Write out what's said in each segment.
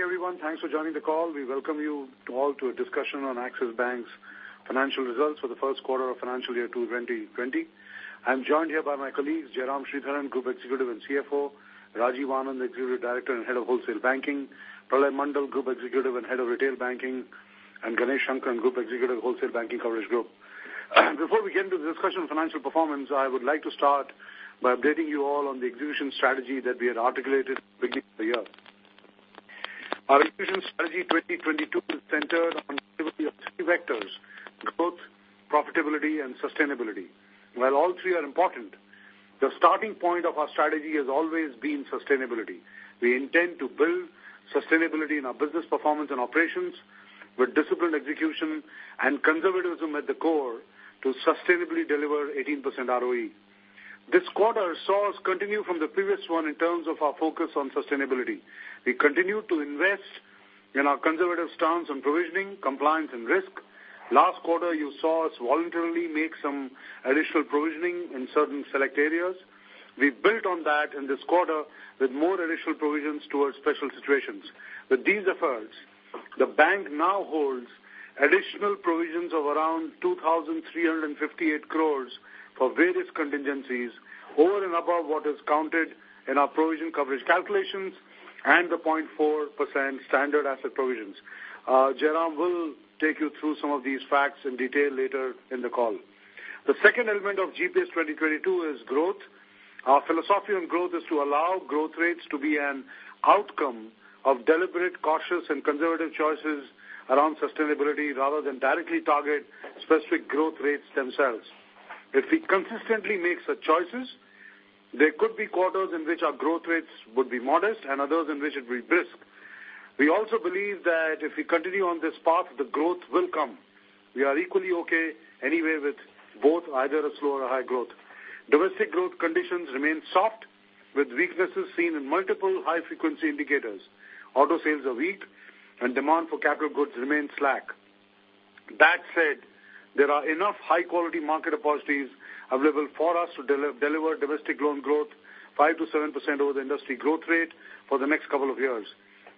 Good evening, everyone. Thanks for joining the call. We welcome you all to a discussion on Axis Bank's financial results for the Q1 of financial year 2020. I'm joined here by my colleagues, Jairam Sridharan, Group Executive and CFO, Rajiv Anand, Executive Director and Head of Wholesale Banking, Pralay Mondal, Group Executive and Head of Retail Banking, and Ganesh Sankaran, Group Executive, Wholesale Banking Coverage Group. Before we get into the discussion of financial performance, I would like to start by updating you all on the execution strategy that we had articulated at the beginning of the year. Our execution strategy 2022 is centered on the delivery of three vectors: growth, profitability, and sustainability. While all three are important, the starting point of our strategy has always been sustainability. We intend to build sustainability in our business performance and operations with disciplined execution and conservatism at the core to sustainably deliver 18% ROE. This quarter saw us continue from the previous one in terms of our focus on sustainability. We continued to invest in our conservative stance on provisioning, compliance, and risk. Last quarter, you saw us voluntarily make some additional provisioning in certain select areas. We built on that in this quarter with more additional provisions towards special situations. With these efforts, the bank now holds additional provisions of around 2,358 crore for various contingencies, over and above what is counted in our provision coverage calculations and the 0.4% standard asset provisions. Jairam will take you through some of these facts in detail later in the call. The second element of GPS 2022 is growth. Our philosophy on growth is to allow growth rates to be an outcome of deliberate, cautious, and conservative choices around sustainability rather than directly target specific growth rates themselves. If we consistently make such choices, there could be quarters in which our growth rates would be modest and others in which it would be brisk. We also believe that if we continue on this path, the growth will come. We are equally okay anyway with both, either a slow or a high growth. Domestic growth conditions remain soft, with weaknesses seen in multiple high-frequency indicators: auto sales are weak, and demand for capital goods remains slack. That said, there are enough high-quality market opportunities available for us to deliver domestic loan growth 5% to 7% over the industry growth rate for the next couple of years.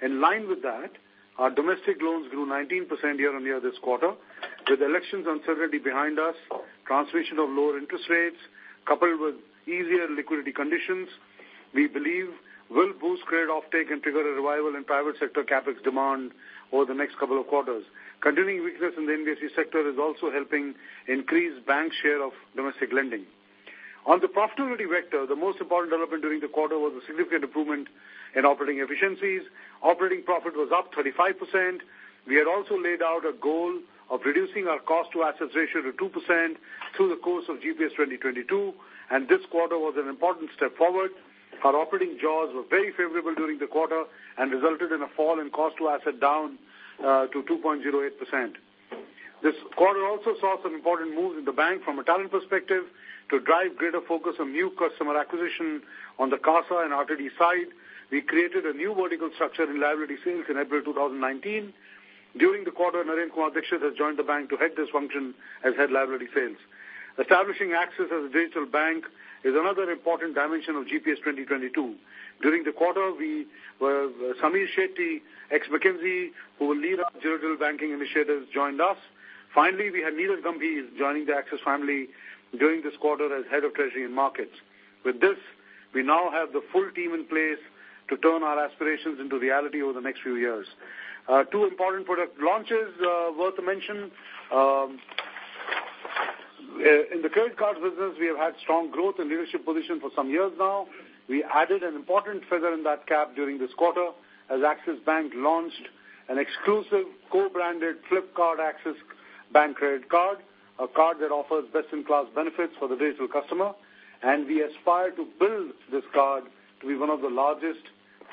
In line with that, our domestic loans grew 19% year-on-year this quarter. With elections uncertainty behind us, transmission of lower interest rates coupled with easier liquidity conditions, we believe will boost credit offtake and trigger a revival in private sector CapEx demand over the next couple of quarters. Continuing weakness in the NBFC sector is also helping increase bank share of domestic lending. On the profitability vector, the most important development during the quarter was a significant improvement in operating efficiencies. Operating profit was up 35%. We had also laid out a goal of reducing our cost-to-assets ratio to 2% through the course of GPS 2022, and this quarter was an important step forward. Our operating jaws were very favorable during the quarter and resulted in a fall in cost-to-asset down to 2.08%. This quarter also saw some important moves in the bank from a talent perspective to drive greater focus on new customer acquisition on the CASA and RTD side. We created a new vertical structure in liability sales in April 2019. During the quarter, Naren Kumar Dixit has joined the bank to head this function as head liability sales. Establishing Axis as a digital bank is another important dimension of GPS 2022. During the quarter, Sameer Shetty, ex-McKinsey who will lead our digital banking initiatives, joined us. Finally, we had Neeraj Gambhir joining the Axis family during this quarter as head of treasury and markets. With this, we now have the full team in place to turn our aspirations into reality over the next few years. Two important product launches worth a mention. In the credit cards business, we have had strong growth and leadership position for some years now. We added an important feather in that cap during this quarter as Axis Bank launched an exclusive co-branded Flipkart Axis Bank Credit Card, a card that offers best-in-class benefits for the digital customer. We aspire to build this card to be one of the largest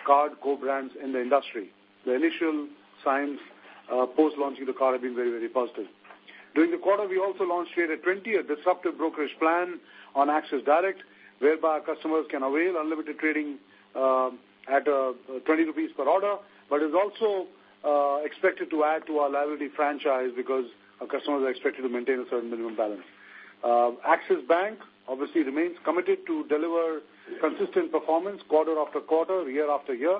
card co-brands in the industry. The initial signs post-launching the card have been very, very positive. During the quarter, we also launched an 20 disruptive brokerage plan on Axis Direct, whereby our customers can avail unlimited trading at 20 rupees per order, but is also expected to add to our liability franchise because our customers are expected to maintain a certain minimum balance. Axis Bank obviously remains committed to deliver consistent performance quarter after quarter, year after year.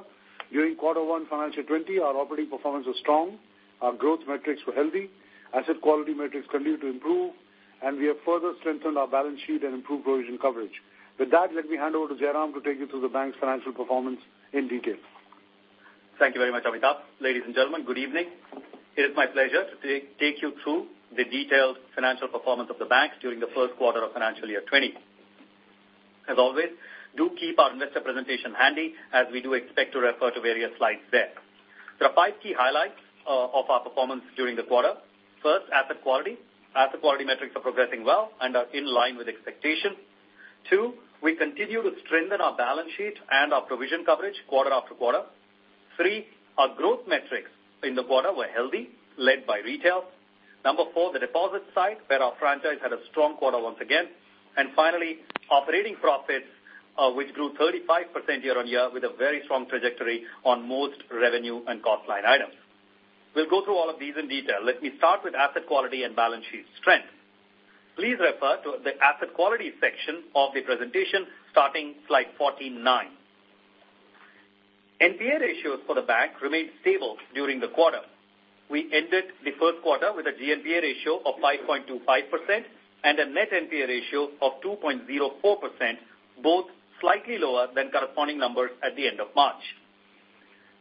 During quarter one financial 2020, our operating performance was strong. Our growth metrics were healthy. Asset quality metrics continue to improve, and we have further strengthened our balance sheet and improved provision coverage. With that, let me hand over to Jairam to take you through the bank's financial performance in detail. Thank you very much, Amitabh. Ladies and gentlemen, good evening. It is my pleasure to take you through the detailed financial performance of the bank during the Q1 of financial year 2020. As always, do keep our investor presentation handy as we do expect to refer to various slides there. There are 5 key highlights of our performance during the quarter. First, asset quality. Asset quality metrics are progressing well and are in line with expectation. Two, we continue to strengthen our balance sheet and our provision coverage quarter after quarter. Three, our growth metrics in the quarter were healthy, led by retail. Number four, the deposit side where our franchise had a strong quarter once again. And finally, operating profits, which grew 35% year-on-year with a very strong trajectory on most revenue and cost line items. We'll go through all of these in detail. Let me start with asset quality and balance sheet strength. Please refer to the asset quality section of the presentation starting slide 49. NPA ratios for the bank remained stable during the quarter. We ended the Q1 with a GNPA ratio of 5.25% and a net NPA ratio of 2.04%, both slightly lower than corresponding numbers at the end of March.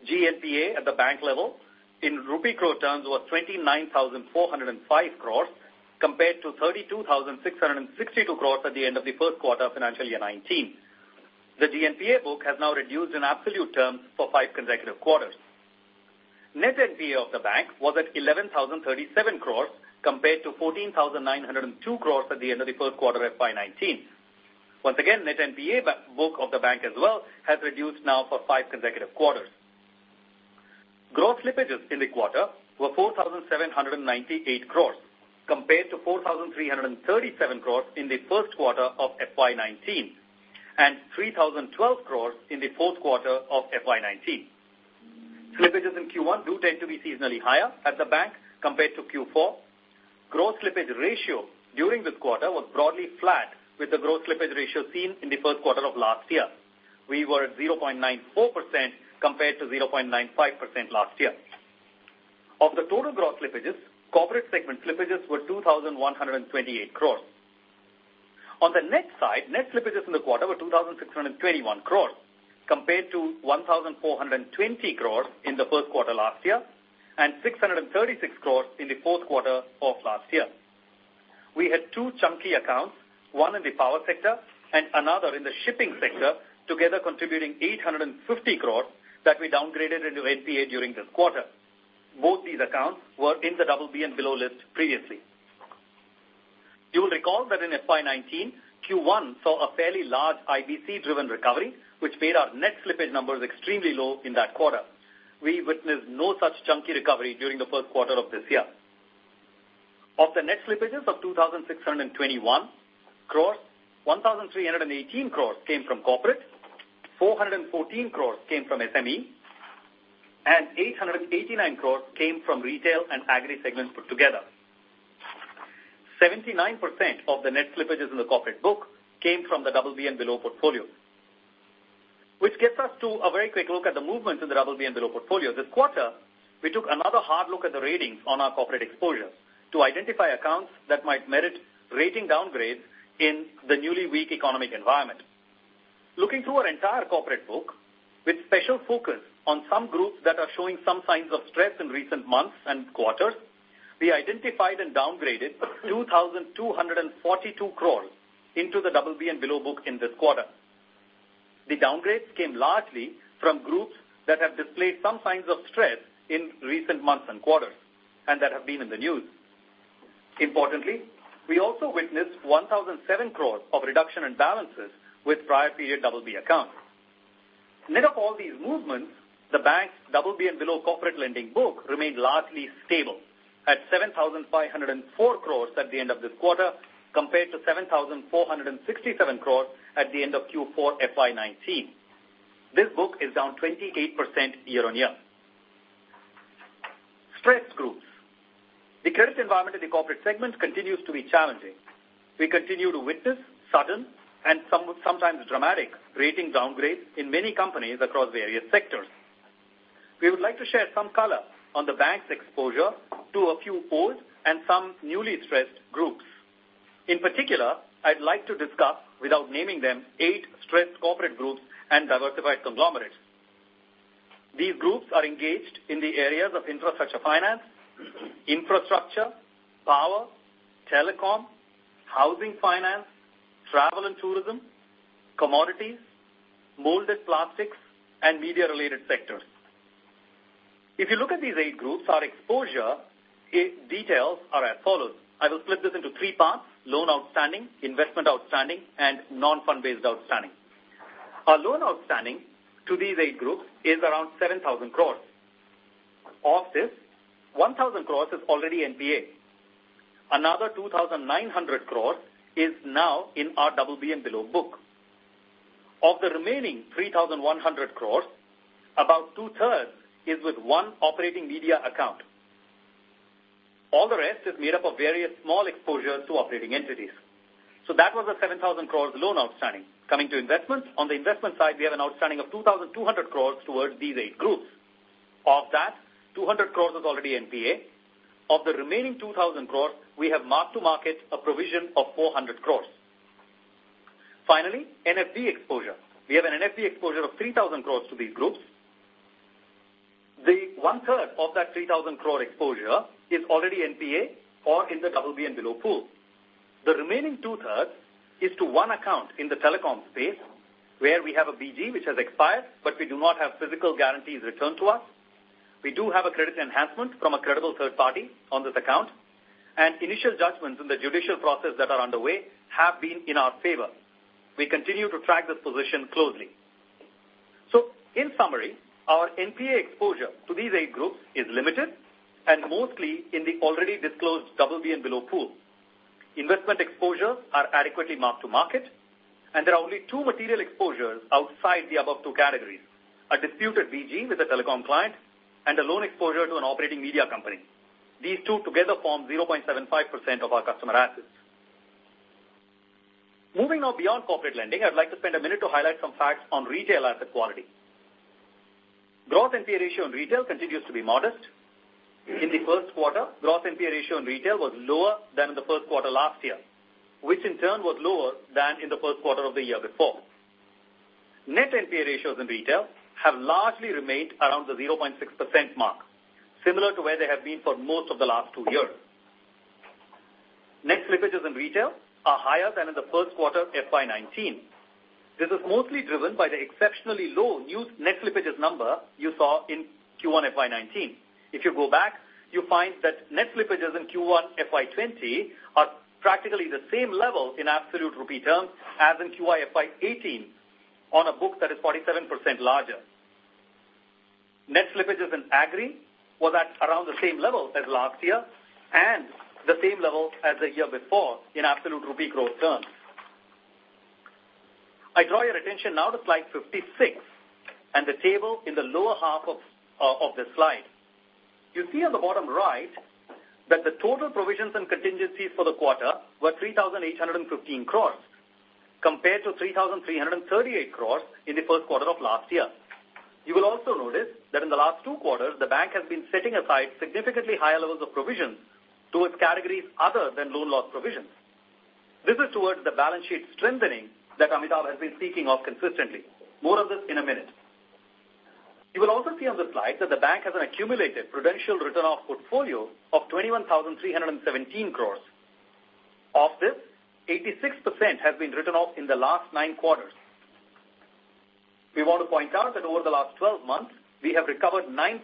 GNPA at the bank level, in rupee crore terms, was 29,405 crores compared to 32,662 crores at the end of the Q1 of financial year 2019. The GNPA book has now reduced in absolute terms for five consecutive quarters. Net NPA of the bank was at 11,037 crores compared to 14,902 crores at the end of the Q1 FY 2019. Once again, net NPA book of the bank as well has reduced now for five consecutive quarters. Gross slippages in the quarter were 4,798 crore compared to 4,337 crore in the Q1 of FY 2019 and 3,012 crore in the Q4 of FY 2019. Slippages in Q1 do tend to be seasonally higher at the bank compared to Q4. Gross slippage ratio during this quarter was broadly flat with the gross slippage ratio seen in the Q1 of last year. We were at 0.94% compared to 0.95% last year. Of the total gross slippages, corporate segment slippages were 2,128 crore. On the net side, net slippages in the quarter were 2,621 crore compared to 1,420 crore in the Q1 last year and 636 crore in the Q4 of last year. We had two chunky accounts, one in the power sector and another in the shipping sector, together contributing 850 crore that we downgraded into NPA during this quarter. Both these accounts were in the BB and below list previously. You will recall that in FY 2019, Q1 saw a fairly large IBC-driven recovery, which made our net slippage numbers extremely low in that quarter. We witnessed no such chunky recovery during the Q1 of this year. Of the net slippages of 2,621 crores, 1,318 crores came from corporate, 414 crores came from SME, and 889 crores came from retail and agri segments put together. 79% of the net slippages in the corporate book came from the BB and below portfolios, which gets us to a very quick look at the movements in the BB and below portfolios. This quarter, we took another hard look at the ratings on our corporate exposures to identify accounts that might merit rating downgrades in the newly weak economic environment. Looking through our entire corporate book, with special focus on some groups that are showing some signs of stress in recent months and quarters, we identified and downgraded 2,242 crore into the BB and below book in this quarter. The downgrades came largely from groups that have displayed some signs of stress in recent months and quarters and that have been in the news. Importantly, we also witnessed 1,007 crore of reduction in balances with prior period BB accounts. Mid of all these movements, the bank's BB and below corporate lending book remained largely stable at 7,504 crore at the end of this quarter compared to 7,467 crore at the end of Q4 FY 2019. This book is down 28% year-on-year. Stress groups, the credit environment in the corporate segment continues to be challenging. We continue to witness sudden and sometimes dramatic rating downgrades in many companies across various sectors. We would like to share some color on the bank's exposure to a few old and some newly stressed groups. In particular, I'd like to discuss, without naming them, eight stressed corporate groups and diversified conglomerates. These groups are engaged in the areas of infrastructure finance, infrastructure, power, telecom, housing finance, travel and tourism, commodities, molded plastics, and media-related sectors. If you look at these eight groups, our exposure details are as follows. I will split this into three parts: loan outstanding, investment outstanding, and non-fund-based outstanding. Our loan outstanding to these eight groups is around 7,000 crore. Of this, 1,000 crore is already NPA. Another 2,900 crore is now in our BB and below book. Of the remaining 3,100 crore, about two-thirds is with one operating media account. All the rest is made up of various small exposures to operating entities. So that was the 7,000 crore loan outstanding coming to investments. On the investment side, we have an outstanding of 2,200 crore towards these eight groups. Of that, 200 crore is already NPA. Of the remaining 2,000 crore, we have marked to market a provision of 400 crore. Finally, NBFC exposure. We have an NBFC exposure of 3,000 crore to these groups. One-third of that 3,000 crore exposure is already NPA or in the BB and below pool. The remaining two-thirds is to one account in the telecom space where we have a BG which has expired, but we do not have physical guarantees returned to us. We do have a credit enhancement from a credible third party on this account, and initial judgments in the judicial process that are underway have been in our favor. We continue to track this position closely. So in summary, our NPA exposure to these eight groups is limited and mostly in the already disclosed BB and below pool. Investment exposures are adequately marked to market, and there are only two material exposures outside the above two categories: a disputed BG with a telecom client and a loan exposure to an operating media company. These two together form 0.75% of our customer assets. Moving now beyond corporate lending, I'd like to spend a minute to highlight some facts on retail asset quality. Gross NPA ratio in retail continues to be modest. In the Q1, gross NPA ratio in retail was lower than in the Q1 last year, which in turn was lower than in the Q1 of the year before. Net NPA ratios in retail have largely remained around the 0.6% mark, similar to where they have been for most of the last two years. Net slippages in retail are higher than in the Q1 FY 2019. This is mostly driven by the exceptionally low net slippages number you saw in Q1 FY 2019. If you go back, you find that net slippages in Q1 FY 2020 are practically the same level in absolute rupee terms as in Q1 FY 2018 on a book that is 47% larger. Net slippages in agri were at around the same level as last year and the same level as the year before in absolute rupee growth terms. I draw your attention now to slide 56 and the table in the lower half of this slide. You see on the bottom right that the total provisions and contingencies for the quarter were 3,815 crores compared to 3,338 crores in the Q1 of last year. You will also notice that in the last two quarters, the bank has been setting aside significantly higher levels of provisions to its categories other than loan loss provisions. This is towards the balance sheet strengthening that Amitabh has been speaking of consistently. More of this in a minute. You will also see on this slide that the bank has an accumulated prudential written off portfolio of 21,317 crores. Of this, 86% has been written off in the last nine quarters. We want to point out that over the last 12 months, we have recovered 9%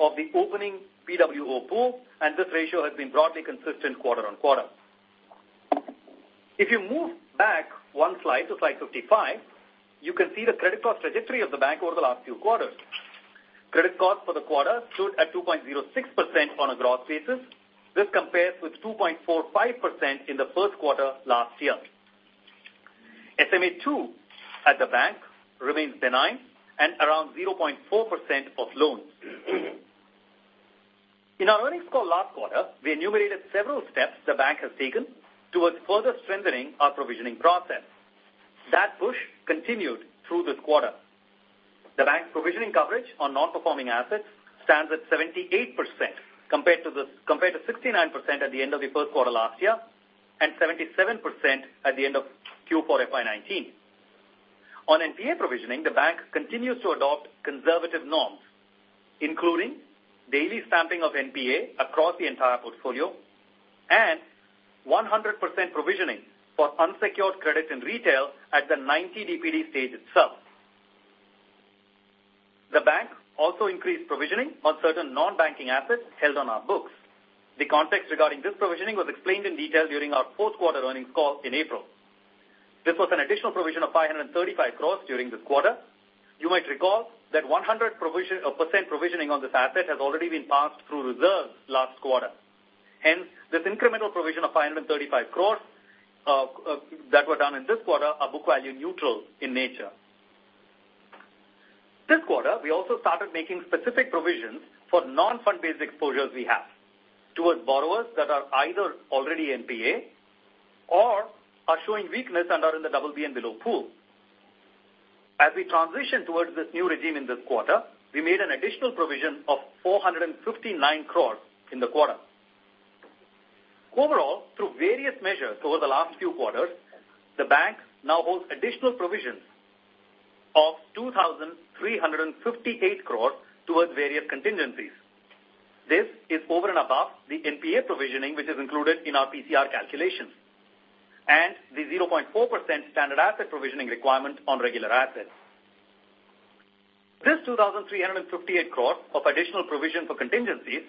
of the opening PWO pool, and this ratio has been broadly consistent quarter-on-quarter. If you move back one slide to slide 55, you can see the credit cost trajectory of the bank over the last few quarters. Credit cost for the quarter stood at 2.06% on a gross basis. This compares with 2.45% in the Q1 last year. SMA-2 at the bank remains benign and around 0.4% of loans. In our earnings call last quarter, we enumerated several steps the bank has taken towards further strengthening our provisioning process. That push continued through this quarter. The bank's provisioning coverage on non-performing assets stands at 78% compared to 69% at the end of the Q1 last year and 77% at the end of Q4 FY 2019. On NPA provisioning, the bank continues to adopt conservative norms, including daily stamping of NPA across the entire portfolio and 100% provisioning for unsecured credit in retail at the 90 DPD stage itself. The bank also increased provisioning on certain non-banking assets held on our books. The context regarding this provisioning was explained in detail during our Q4 earnings call in April. This was an additional provision of 535 crore during this quarter. You might recall that 100% provisioning on this asset has already been passed through reserves last quarter. Hence, this incremental provision of 535 crore that were done in this quarter are book value neutral in nature. This quarter, we also started making specific provisions for non-fund-based exposures we have towards borrowers that are either already NPA or are showing weakness and are in the BB and below pool. As we transitioned towards this new regime in this quarter, we made an additional provision of 459 crores in the quarter. Overall, through various measures over the last few quarters, the bank now holds additional provisions of 2,358 crores towards various contingencies. This is over and above the NPA provisioning which is included in our PCR calculations and the 0.4% standard asset provisioning requirement on regular assets. This 2,358 crores of additional provision for contingencies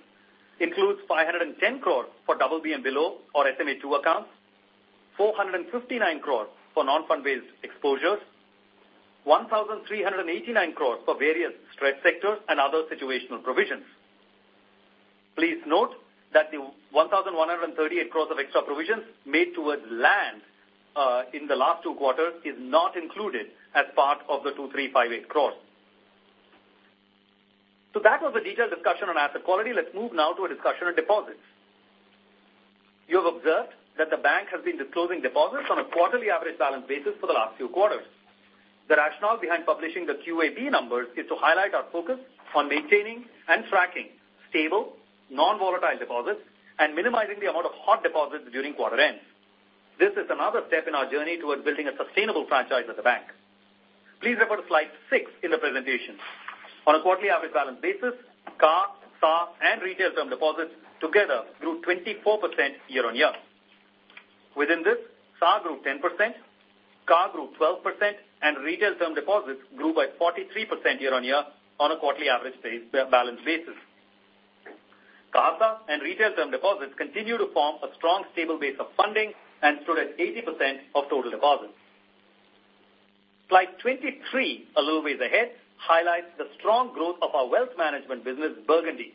includes 510 crores for BB and below or SMA-2 accounts, 459 crores for non-fund-based exposures, 1,389 crores for various stress sectors and other situational provisions. Please note that the 1,138 crores of extra provisions made towards LRD in the last two quarters is not included as part of the 2,358 crores. So that was a detailed discussion on asset quality. Let's move now to a discussion of deposits. You have observed that the bank has been disclosing deposits on a quarterly average balance basis for the last few quarters. The rationale behind publishing the QAB numbers is to highlight our focus on maintaining and tracking stable, non-volatile deposits and minimizing the amount of hot deposits during quarter ends. This is another step in our journey towards building a sustainable franchise at the bank. Please refer to slide six in the presentation. On a quarterly average balance basis, CA, SA, and retail term deposits together grew 24% year-on-year. Within this, SA grew 10%, CA grew 12%, and retail term deposits grew by 43% year-on-year on a quarterly average balance basis. CA, SA, and retail term deposits continue to form a strong, stable base of funding and stood at 80% of total deposits. Slide 23, a little ways ahead, highlights the strong growth of our wealth management business, Burgundy.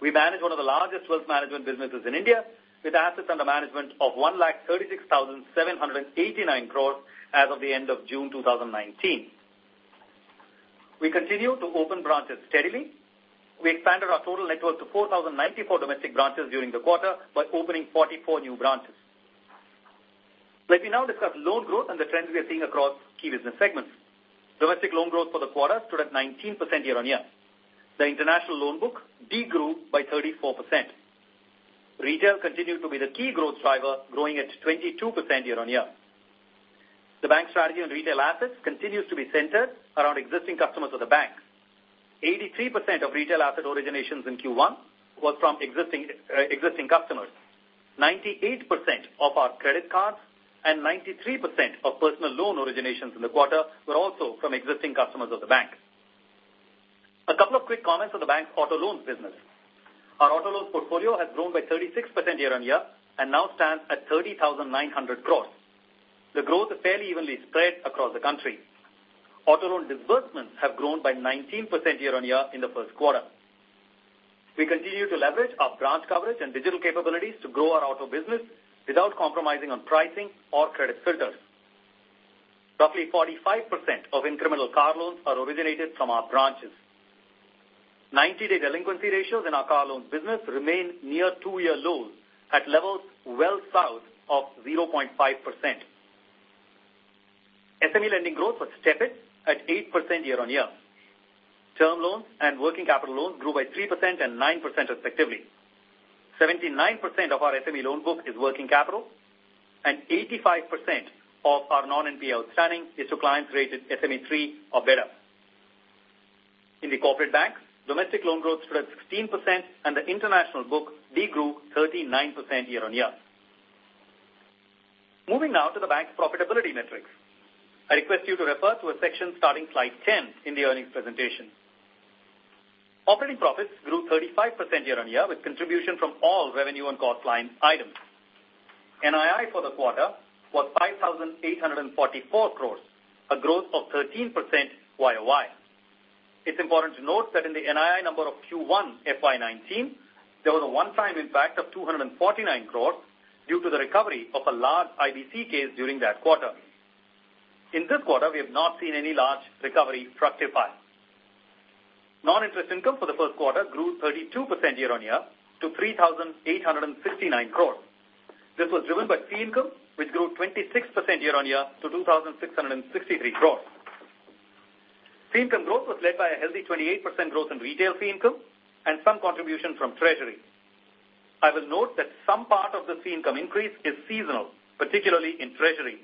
We manage one of the largest wealth management businesses in India with assets under management of 136,789 crore as of the end of June 2019. We continue to open branches steadily. We expanded our total network to 4,094 domestic branches during the quarter by opening 44 new branches. Let me now discuss loan growth and the trends we are seeing across key business segments. Domestic loan growth for the quarter stood at 19% year-on-year. The international loan book degrew by 34%. Retail continued to be the key growth driver, growing at 22% year-on-year. The bank's strategy on retail assets continues to be centered around existing customers of the bank. 83% of retail asset originations in Q1 was from existing customers. 98% of our credit cards and 93% of personal loan originations in the quarter were also from existing customers of the bank. A couple of quick comments on the bank's auto loans business. Our auto loans portfolio has grown by 36% year-on-year and now stands at 30,900 crore. The growth is fairly evenly spread across the country. Auto loan disbursements have grown by 19% year-on-year in the Q1. We continue to leverage our branch coverage and digital capabilities to grow our auto business without compromising on pricing or credit filters. Roughly 45% of incremental car loans are originated from our branches. 90-day delinquency ratios in our car loan business remain near two-year lows at levels well south of 0.5%. SME lending growth was tepid at 8% year-on-year. Term loans and working capital loans grew by 3% and 9% respectively. 79% of our SME loan book is working capital, and 85% of our non-NPA outstanding is to clients rated SME-3 or better. In the corporate banks, domestic loan growth stood at 16%, and the international book degrew 39% year on year. Moving now to the bank's profitability metrics, I request you to refer to a section starting slide 10 in the earnings presentation. Operating profits grew 35% year on year with contribution from all revenue and cost line items. NII for the quarter was 5,844 crores, a growth of 13% YOY. It's important to note that in the NII number of Q1 FY 2019, there was a one-time impact of 249 crores due to the recovery of a large IBC case during that quarter. In this quarter, we have not seen any large recovery fructify. Non-interest income for the Q1 grew 32% year-on-year to 3,869 crores. This was driven by fee income which grew 26% year-on-year to 2,663 crore. Fee income growth was led by a healthy 28% growth in retail fee income and some contribution from Treasury. I will note that some part of the fee income increase is seasonal, particularly in Treasury.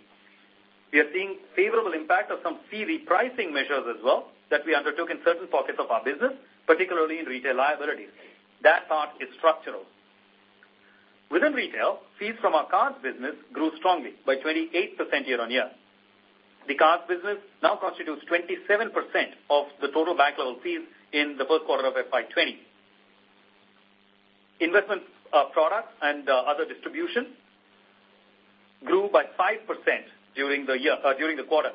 We are seeing favorable impact of some fee repricing measures as well that we undertook in certain pockets of our business, particularly in retail liabilities. That part is structural. Within retail, fees from our cards business grew strongly by 28% year-on-year. The cards business now constitutes 27% of the total bank level fees in the Q1 of FY 2020. Investment products and other distribution grew by 5% during the quarter.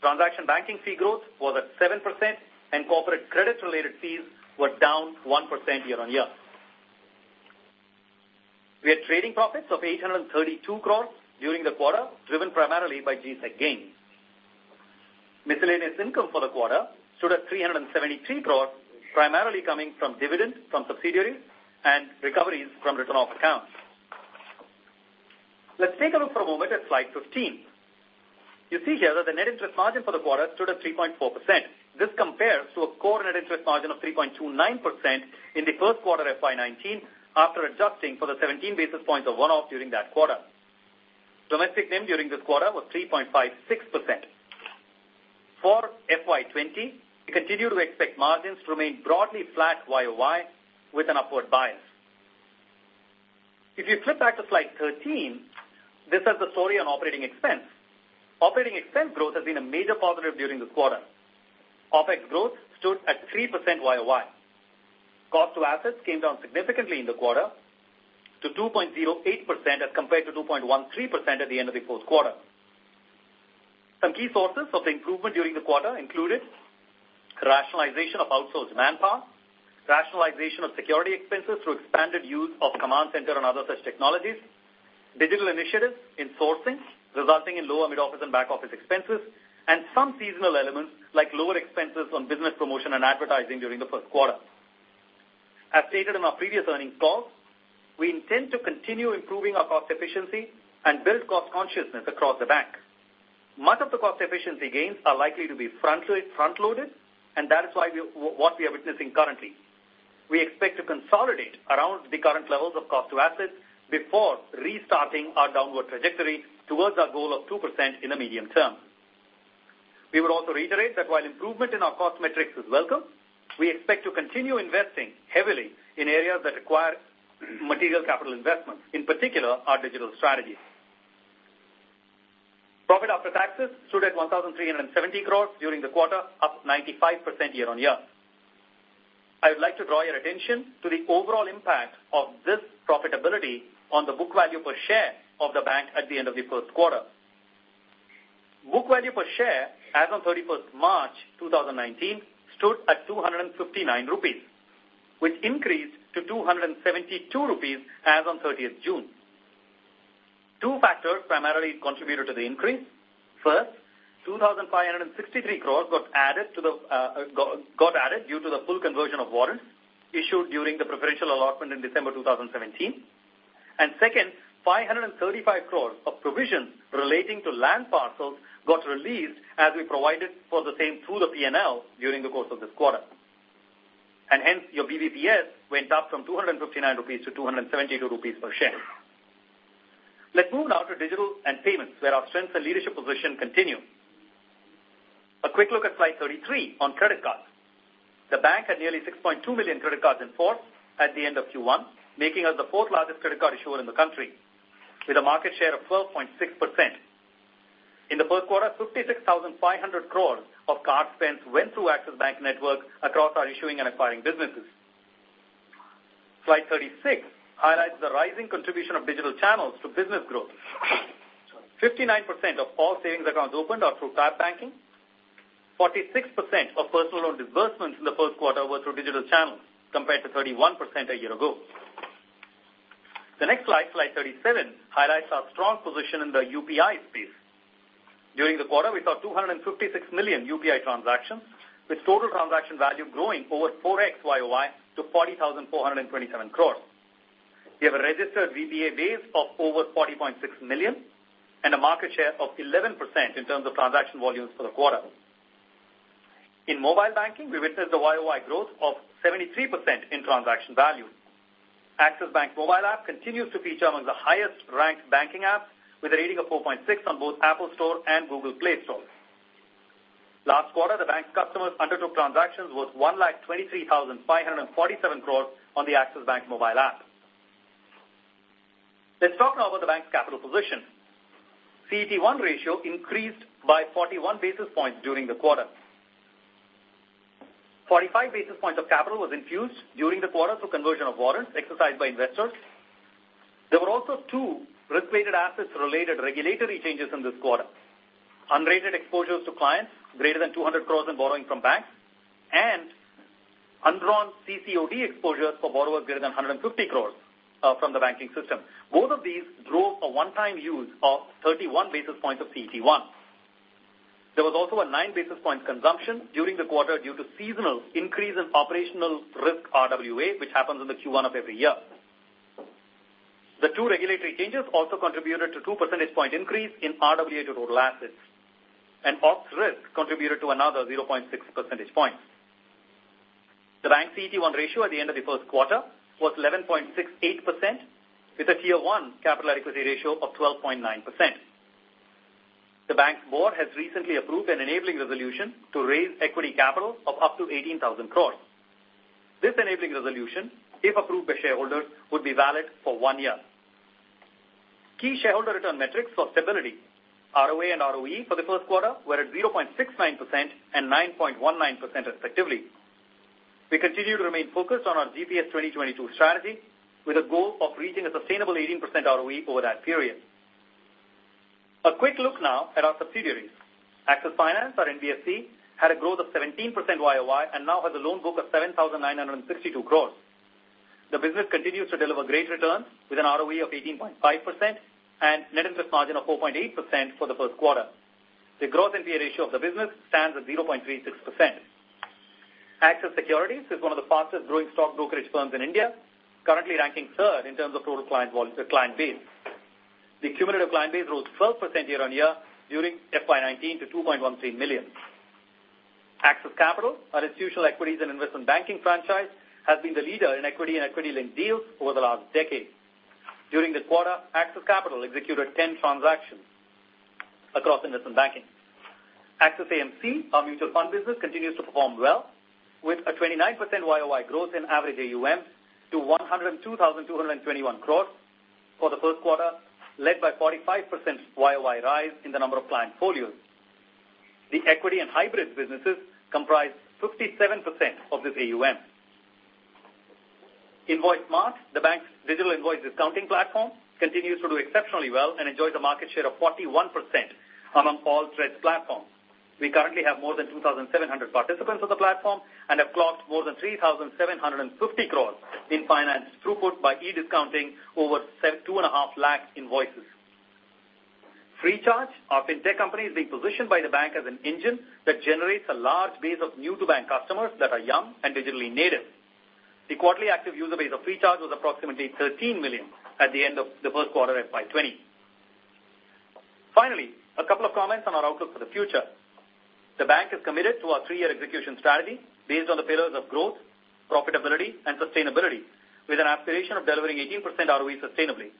Transaction banking fee growth was at 7%, and corporate credit-related fees were down 1% year-on-year. We had trading profits of 832 crore during the quarter, driven primarily by G-Sec gain. Miscellaneous income for the quarter stood at 373 crore, primarily coming from dividends from subsidiaries and recoveries from return off accounts. Let's take a look for a moment at slide 15. You see here that the net interest margin for the quarter stood at 3.4%. This compares to a core net interest margin of 3.29% in the Q1 FY 2019 after adjusting for the 17 basis points of one-off during that quarter. Domestic NIM during this quarter was 3.56%. For FY 2020, we continue to expect margins to remain broadly flat year-over-year with an upward bias. If you flip back to slide 13, this is the story on operating expense. Operating expense growth has been a major positive during this quarter. OpEx growth stood at 3% year-over-year. Cost to assets came down significantly in the quarter to 2.08% as compared to 2.13% at the end of the Q4. Some key sources of the improvement during the quarter included rationalization of outsourced manpower, rationalization of security expenses through expanded use of command center and other such technologies, digital initiatives in sourcing resulting in lower mid-office and back-office expenses, and some seasonal elements like lower expenses on business promotion and advertising during the Q1. As stated in our previous earnings call, we intend to continue improving our cost efficiency and build cost consciousness across the bank. Much of the cost efficiency gains are likely to be front-loaded, and that is why what we are witnessing currently. We expect to consolidate around the current levels of cost to assets before restarting our downward trajectory towards our goal of 2% in the medium term. We would also reiterate that while improvement in our cost metrics is welcome, we expect to continue investing heavily in areas that require material capital investments, in particular, our digital strategy. Profit after taxes stood at 1,370 crore during the quarter, up 95% year-on-year. I would like to draw your attention to the overall impact of this profitability on the book value per share of the bank at the end of the Q1. Book value per share as of March 31st 2019 stood at 259 rupees, which increased to 272 rupees as of 30th June. Two factors primarily contributed to the increase. First, 2,563 crore got added due to the full conversion of warrants issued during the preferential allotment in December 2017. And second, 535 crore of provisions relating to land parcels got released as we provided for the same through the P&L during the course of this quarter. And hence, your BVPS went up from 259 rupees to 272 rupees per share. Let's move now to digital and payments where our strengths and leadership position continue. A quick look at slide 33 on credit cards. The bank had nearly 6.2 million credit cards in force at the end of Q1, making us the fourth largest credit card issuer in the country with a market share of 12.6%. In the Q1, inr 56,500 crore of card spends went through Axis Bank network across our issuing and acquiring businesses. Slide 36 highlights the rising contribution of digital channels to business growth. 59% of all savings accounts opened are through Tab Banking. 46% of personal loan disbursements in the Q1 were through digital channels compared to 31% a year ago. The next slide, slide 37, highlights our strong position in the UPI space. During the quarter, we saw 256 million UPI transactions with total transaction value growing over 4x YOY to 40,427 crores. We have a registered VPA base of over 40.6 million and a market share of 11% in terms of transaction volumes for the quarter. In mobile banking, we witnessed the YOY growth of 73% in transaction value. Axis Mobile app continues to feature among the highest ranked banking apps with a rating of 4.6 on both Apple Store and Google Play Store. Last quarter, the bank's customers undertook transactions worth 123,547 crores on the Axis Mobile app. Let's talk now about the bank's capital position. CET1 ratio increased by 41 basis points during the quarter. 45 basis points of capital was infused during the quarter through conversion of warrants exercised by investors. There were also two risk-weighted assets-related regulatory changes in this quarter: unrated exposures to clients greater than 200 crore in borrowing from banks and undrawn CCOD exposures for borrowers greater than 150 crore from the banking system. Both of these drove a one-time use of 31 basis points of CET1. There was also a 9 basis points consumption during the quarter due to seasonal increase in operational risk RWA, which happens in the Q1 of every year. The two regulatory changes also contributed to two percentage point increase in RWA to total assets, and ops risk contributed to another 0.6 percentage points. The bank's CET1 ratio at the end of the Q1 was 11.68% with a Tier 1 capital adequacy ratio of 12.9%. The bank's board has recently approved an enabling resolution to raise equity capital of up to 18,000 crore. This enabling resolution, if approved by shareholders, would be valid for one year. Key shareholder return metrics for stability: ROA and ROE for the Q1 were at 0.69% and 9.19% respectively. We continue to remain focused on our GPS 2022 strategy with a goal of reaching a sustainable 18% ROE over that period. A quick look now at our subsidiaries. Axis Finance, or NBFC, had a growth of 17% YOY and now has a loan book of 7,962 crore. The business continues to deliver great returns with an ROE of 18.5% and net interest margin of 4.8% for the Q1. The gross NPA ratio of the business stands at 0.36%. Axis Securities is one of the fastest-growing stock brokerage firms in India, currently ranking third in terms of total client base. The cumulative client base rose 12% year-on-year during FY 2019 to 2.13 million. Axis Capital, our institutional equities and investment banking franchise, has been the leader in equity and equity-linked deals over the last decade. During the quarter, Axis Capital executed 10 transactions across investment banking. Axis AMC, our mutual fund business, continues to perform well with a 29% YOY growth in average AUM to 102,221 crore for the Q1, led by 45% YOY rise in the number of client folios. The equity and hybrid businesses comprise 57% of this AUM. Invoicemart, the bank's digital invoice discounting platform, continues to do exceptionally well and enjoys a market share of 41% among all TReDS platforms. We currently have more than 2,700 participants on the platform and have clocked more than 3,750 crores in finance throughput by e-discounting over 250,000 invoices. FreeCharge, our fintech company, is being positioned by the bank as an engine that generates a large base of new-to-bank customers that are young and digitally native. The quarterly active user base of FreeCharge was approximately 13 million at the end of the Q1 FY 2020. Finally, a couple of comments on our outlook for the future. The bank is committed to our three-year execution strategy based on the pillars of growth, profitability, and sustainability with an aspiration of delivering 18% ROE sustainably.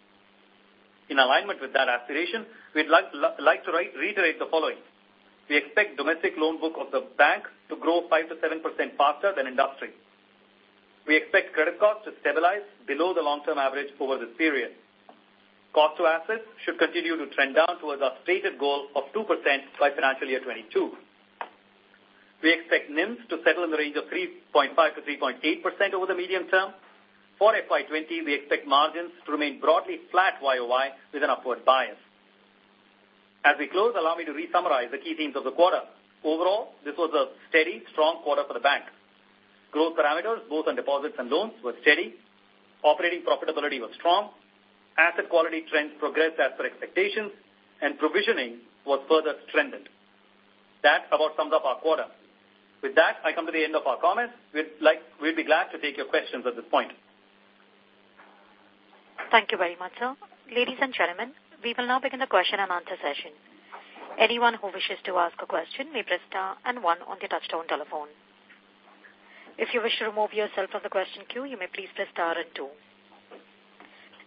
In alignment with that aspiration, we'd like to reiterate the following. We expect domestic loan book of the bank to grow 5% to 7% faster than industry. We expect credit costs to stabilize below the long-term average over this period. Cost to assets should continue to trend down towards our stated goal of 2% by financial year 2022. We expect NIMS to settle in the range of 3.5% to 3.8% over the medium term. For FY 2020, we expect margins to remain broadly flat YOY with an upward bias. As we close, allow me to re-summarize the key themes of the quarter. Overall, this was a steady, strong quarter for the bank. Growth parameters, both on deposits and loans, were steady. Operating profitability was strong. Asset quality trends progressed as per expectations, and provisioning was further strengthened. That about sums up our quarter. With that, I come to the end of our comments. We'd be glad to take your questions at this point. Thank you very much, sir. Ladies and gentlemen, we will now begin the question and answer session. Anyone who wishes to ask a question may press star and one on the touch-tone telephone. If you wish to remove yourself from the question queue, you may please press star and two.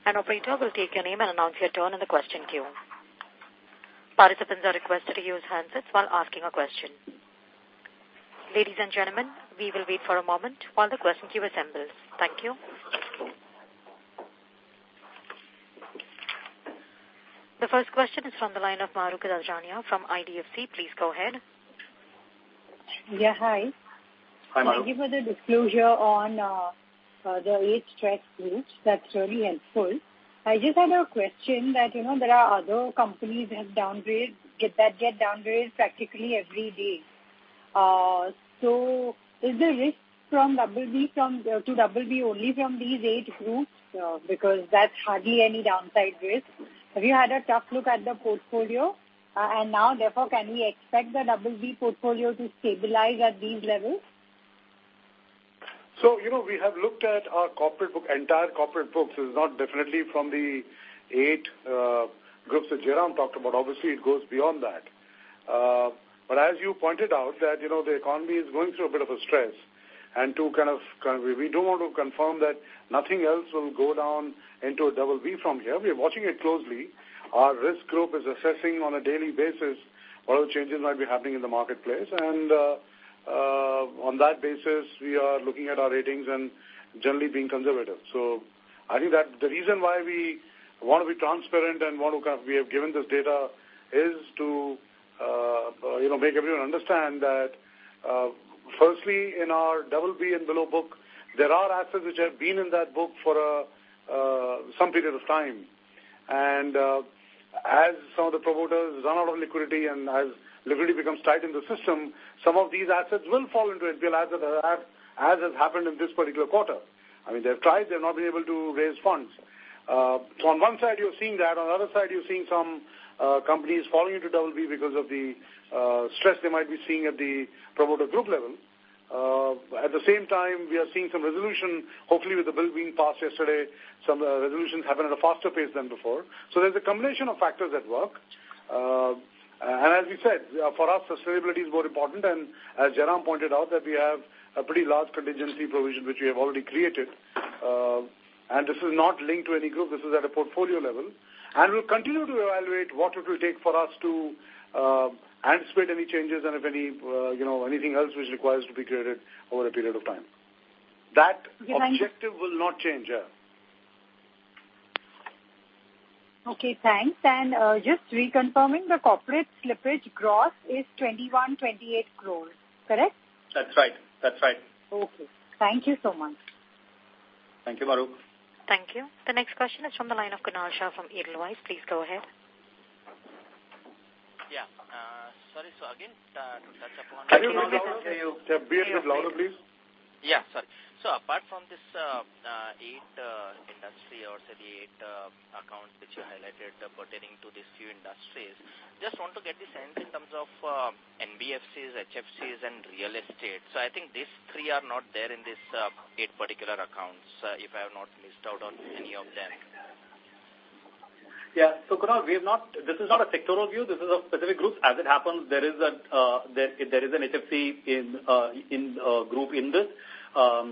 An operator will take your name and announce your turn in the question queue. Participants are requested to use handsets while asking a question. Ladies and gentlemen, we will wait for a moment while the question queue assembles. Thank you. The first question is from the line of Mahrukh Adajania from IDFC. Please go ahead. Yeah, hi. Hi, Mahrukh. Thank you for the disclosure on the eight TReDS groups. That's really helpful. I just had a question that there are other companies that get downgraded practically every day. So is the risk from BB only from these eight groups because that's hardly any downside risk? Have you had a tough look at the portfolio? And now, therefore, can we expect the BB portfolio to stabilize at these levels? So we have looked at our entire corporate books. It's not definitely from the eight groups that Jairam talked about. Obviously, it goes beyond that. But as you pointed out, the economy is going through a bit of a stress. And to kind of we do want to confirm that nothing else will go down into a BB from here. We're watching it closely. Our risk group is assessing on a daily basis what other changes might be happening in the marketplace. And on that basis, we are looking at our ratings and generally being conservative. So I think that the reason why we want to be transparent and want to kind of we have given this data is to make everyone understand that firstly, in our BB and below book, there are assets which have been in that book for some period of time. As some of the promoters run out of liquidity and as liquidity becomes tight in the system, some of these assets will fall into NPL as has happened in this particular quarter. I mean, they've tried. They've not been able to raise funds. So on one side, you're seeing that. On the other side, you're seeing some companies falling into BB because of the stress they might be seeing at the promoter group level. At the same time, we are seeing some resolution. Hopefully, with the bill being passed yesterday, some resolutions happen at a faster pace than before. So there's a combination of factors at work. And as we said, for us, sustainability is more important. And as Jairam pointed out, that we have a pretty large contingency provision which we have already created. And this is not linked to any group. This is at a portfolio level. We'll continue to evaluate what it will take for us to anticipate any changes and if anything else which requires to be created over a period of time. That objective will not change. Okay. Thanks. Just reconfirming, the corporate slippage gross is 2,128 crores, correct? That's right. That's right. Okay. Thank you so much. Thank you, Mahrukh. Thank you. The next question is from the line of Kunal Shah from Edelweiss Securities. Please go ahead. Yeah. Sorry. So again, to touch upon the. Can you be a little bit louder, please? Yeah. Sorry. So apart from this eight industry or say the eight accounts which you highlighted pertaining to these few industries, just want to get the sense in terms of NBFCs, HFCs, and real estate. So I think these three are not there in these eight particular accounts if I have not missed out on any of them. Yeah. So Kunal, this is not a sectoral view. This is a specific group. As it happens, there is an HFC group in this. But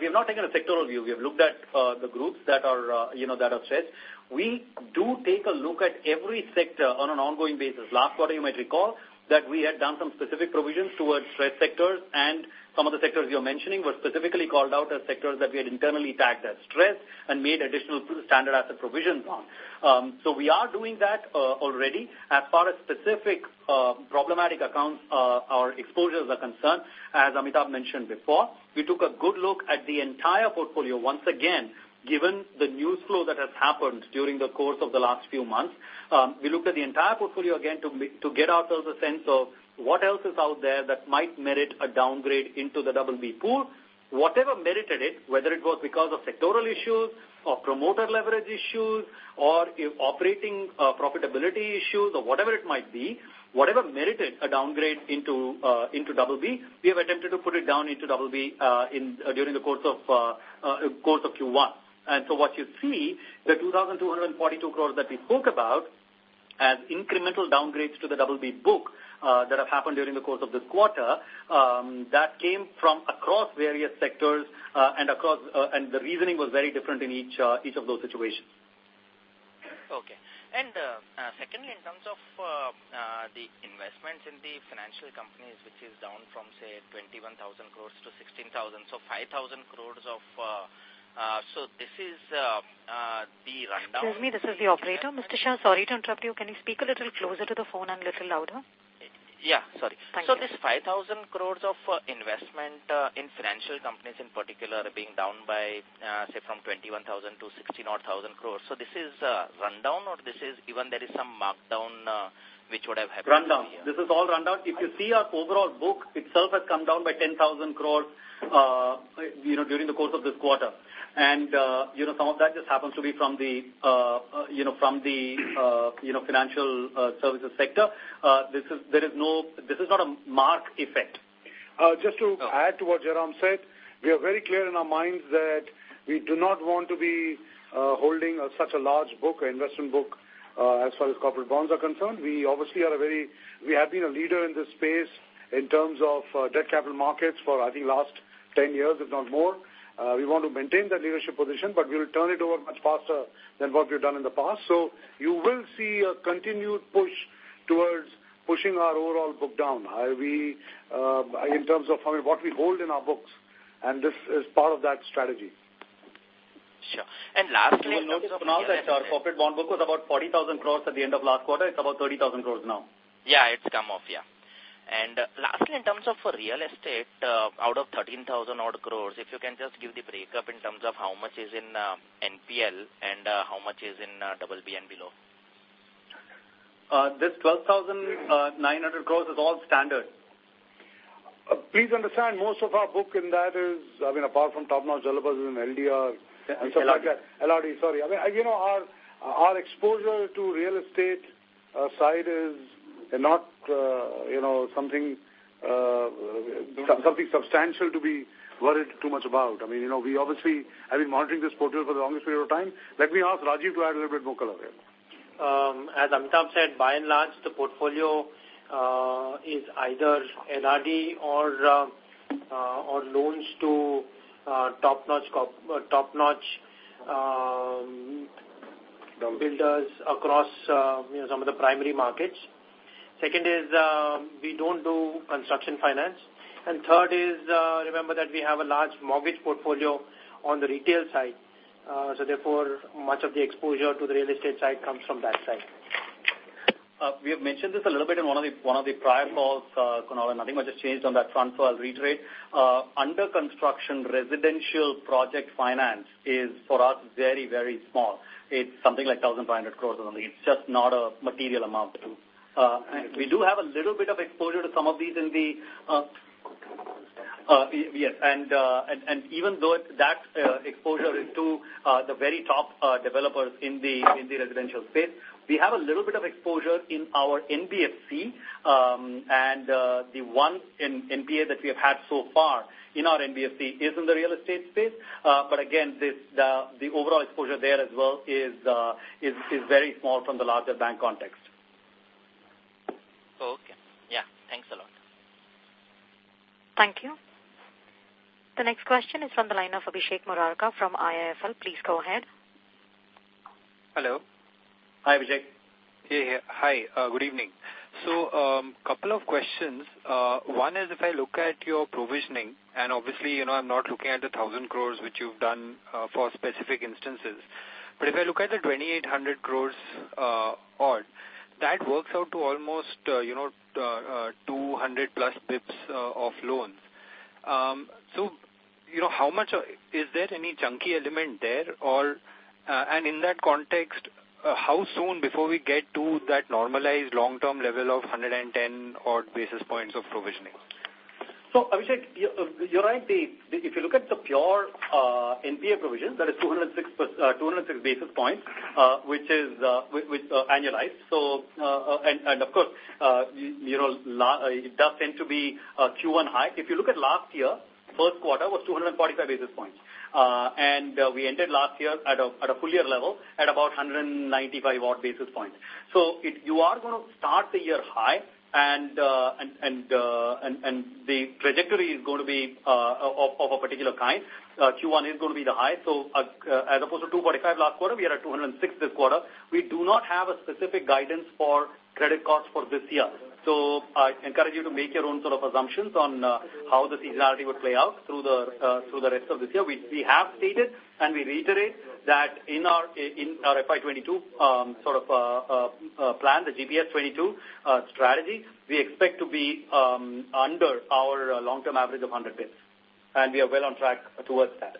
we have not taken a sectoral view. We have looked at the groups that are TReDS. We do take a look at every sector on an ongoing basis. Last quarter, you might recall that we had done some specific provisions towards TReDS sectors. And some of the sectors you're mentioning were specifically called out as sectors that we had internally tagged as TReDS and made additional standard asset provisions on. So we are doing that already. As far as specific problematic accounts, our exposures are concerned, as Amitabh mentioned before, we took a good look at the entire portfolio. Once again, given the news flow that has happened during the course of the last few months, we looked at the entire portfolio again to get ourselves a sense of what else is out there that might merit a downgrade into the BB pool. Whatever merited it, whether it was because of sectoral issues or promoter leverage issues or operating profitability issues or whatever it might be, whatever merited a downgrade into BB, we have attempted to put it down into BB during the course of Q1. And so what you see, the 2,242 crore that we spoke about as incremental downgrades to the BB book that have happened during the course of this quarter, that came from across various sectors. And the reasoning was very different in each of those situations. Okay. Secondly, in terms of the investments in the financial companies, which is down from, say, 21,000 crore to 16,000 crore, so 5,000 crore or so; this is the rundown. Excuse me. This is the operator. Shah, sorry to interrupt you. Can you speak a little closer to the phone and a little louder? Yeah. Sorry. So this 5,000 crore of investment in financial companies in particular are being down by, from 21,000 to 16,000 crore. So this is rundown or this is even there is some markdown which would have happened here? Rundown. This is all rundown. If you see our overall book, itself has come down by 10,000 crore during the course of this quarter. And some of that just happens to be from the financial services sector. There is not a mark effect. Just to add to what Jairam said, we are very clear in our minds that we do not want to be holding such a large book, an investment book, as far as corporate bonds are concerned. We obviously are a very, we have been a leader in this space in terms of debt capital markets for, I think, last 10 years, if not more. We want to maintain that leadership position, but we will turn it over much faster than what we've done in the past. You will see a continued push towards pushing our overall book down in terms of what we hold in our books. This is part of that strategy. Sure. And lastly, in terms of. Kunal, that's our corporate bond book was about 40,000 crores at the end of last quarter. It's about 30,000 crores now. Yeah. It's come off. Yeah. And lastly, in terms of real estate, out of 13,000-odd crore, if you can just give the breakup in terms of how much is in NPL and how much is in BB and below. This 12,900 crore is all standard. Please understand, most of our book in that is, I mean, apart from top-notch builders and LDR and stuff like that. LRD, sorry. I mean, our exposure to real estate side is not something substantial to be worried too much about. I mean, we obviously have been monitoring this portfolio for the longest period of time. Let me ask Rajiv to add a little bit more color here. As Amitabh said, by and large, the portfolio is either LRD or loans to top-notch builders across some of the primary markets. Second is we don't do construction finance. And third is remember that we have a large mortgage portfolio on the retail side. So therefore, much of the exposure to the real estate side comes from that side. We have mentioned this a little bit in one of the prior calls, Kunal, and nothing much has changed on that front, so I'll reiterate. Under-construction residential project finance is, for us, very, very small. It's something like 1,500 crore or something. It's just not a material amount too. We do have a little bit of exposure to some of these. And even though that exposure is to the very top developers in the residential space, we have a little bit of exposure in our NBFC. And the one in NPA that we have had so far in our NBFC is in the real estate space. But again, the overall exposure there as well is very small from the larger bank context. Okay. Yeah. Thanks a lot. Thank you. The next question is from the line of Abhishek Murarka from IIFL. Please go ahead. Hello. Hi, Abhishek. Hi. Good evening. So a couple of questions. One is if I look at your provisioning and obviously, I'm not looking at the 1,000 crore which you've done for specific instances. But if I look at the 2,800 crore odd, that works out to almost 200+ basis points of loans. So how much is there any chunky element there? And in that context, how soon before we get to that normalized long-term level of 110-odd basis points of provisioning? So Abhishek, you're right. If you look at the pure NPA provisions, that is 206 basis points which is annualized. And of course, it does tend to be Q1 high. If you look at last year, Q1 was 245 basis points. And we ended last year at a full-year level at about 195-odd basis points. So you are going to start the year high. The trajectory is going to be of a particular kind. Q1 is going to be the high. So as opposed to 245 last quarter, we are at 206 this quarter. We do not have a specific guidance for credit costs for this year. So I encourage you to make your own sort of assumptions on how the seasonality would play out through the rest of this year. We have stated and we reiterate that in our FY22 sort of plan, the GPS 2022 strategy, we expect to be under our long-term average of 100 basis points. We are well on track towards that.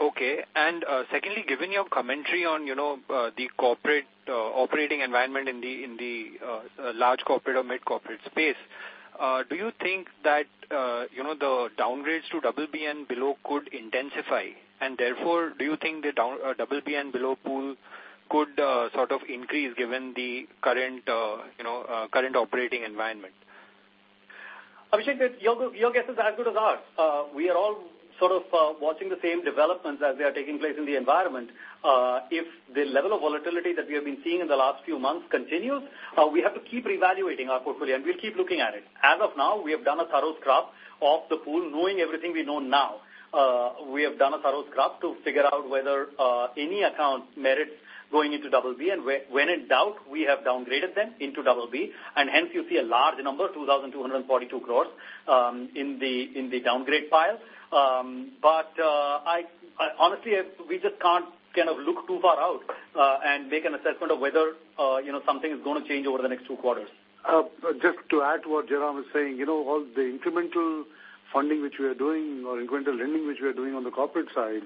Okay. And secondly, given your commentary on the corporate operating environment in the large corporate or mid-corporate space, do you think that the downgrades to BB and below could intensify? And therefore, do you think the BB and below pool could sort of increase given the current operating environment? Abhishek, your guess is as good as ours. We are all sort of watching the same developments as they are taking place in the environment. If the level of volatility that we have been seeing in the last few months continues, we have to keep reevaluating our portfolio. And we'll keep looking at it. As of now, we have done a thorough scrub of the pool knowing everything we know now. We have done a thorough scrub to figure out whether any account merits going into BB. And when in doubt, we have downgraded them into BB. And hence, you see a large number, 2,242 crore, in the downgrade pile. But honestly, we just can't kind of look too far out and make an assessment of whether something is going to change over the next two quarters. Just to add to what Jairam was saying, all the incremental funding which we are doing or incremental lending which we are doing on the corporate side,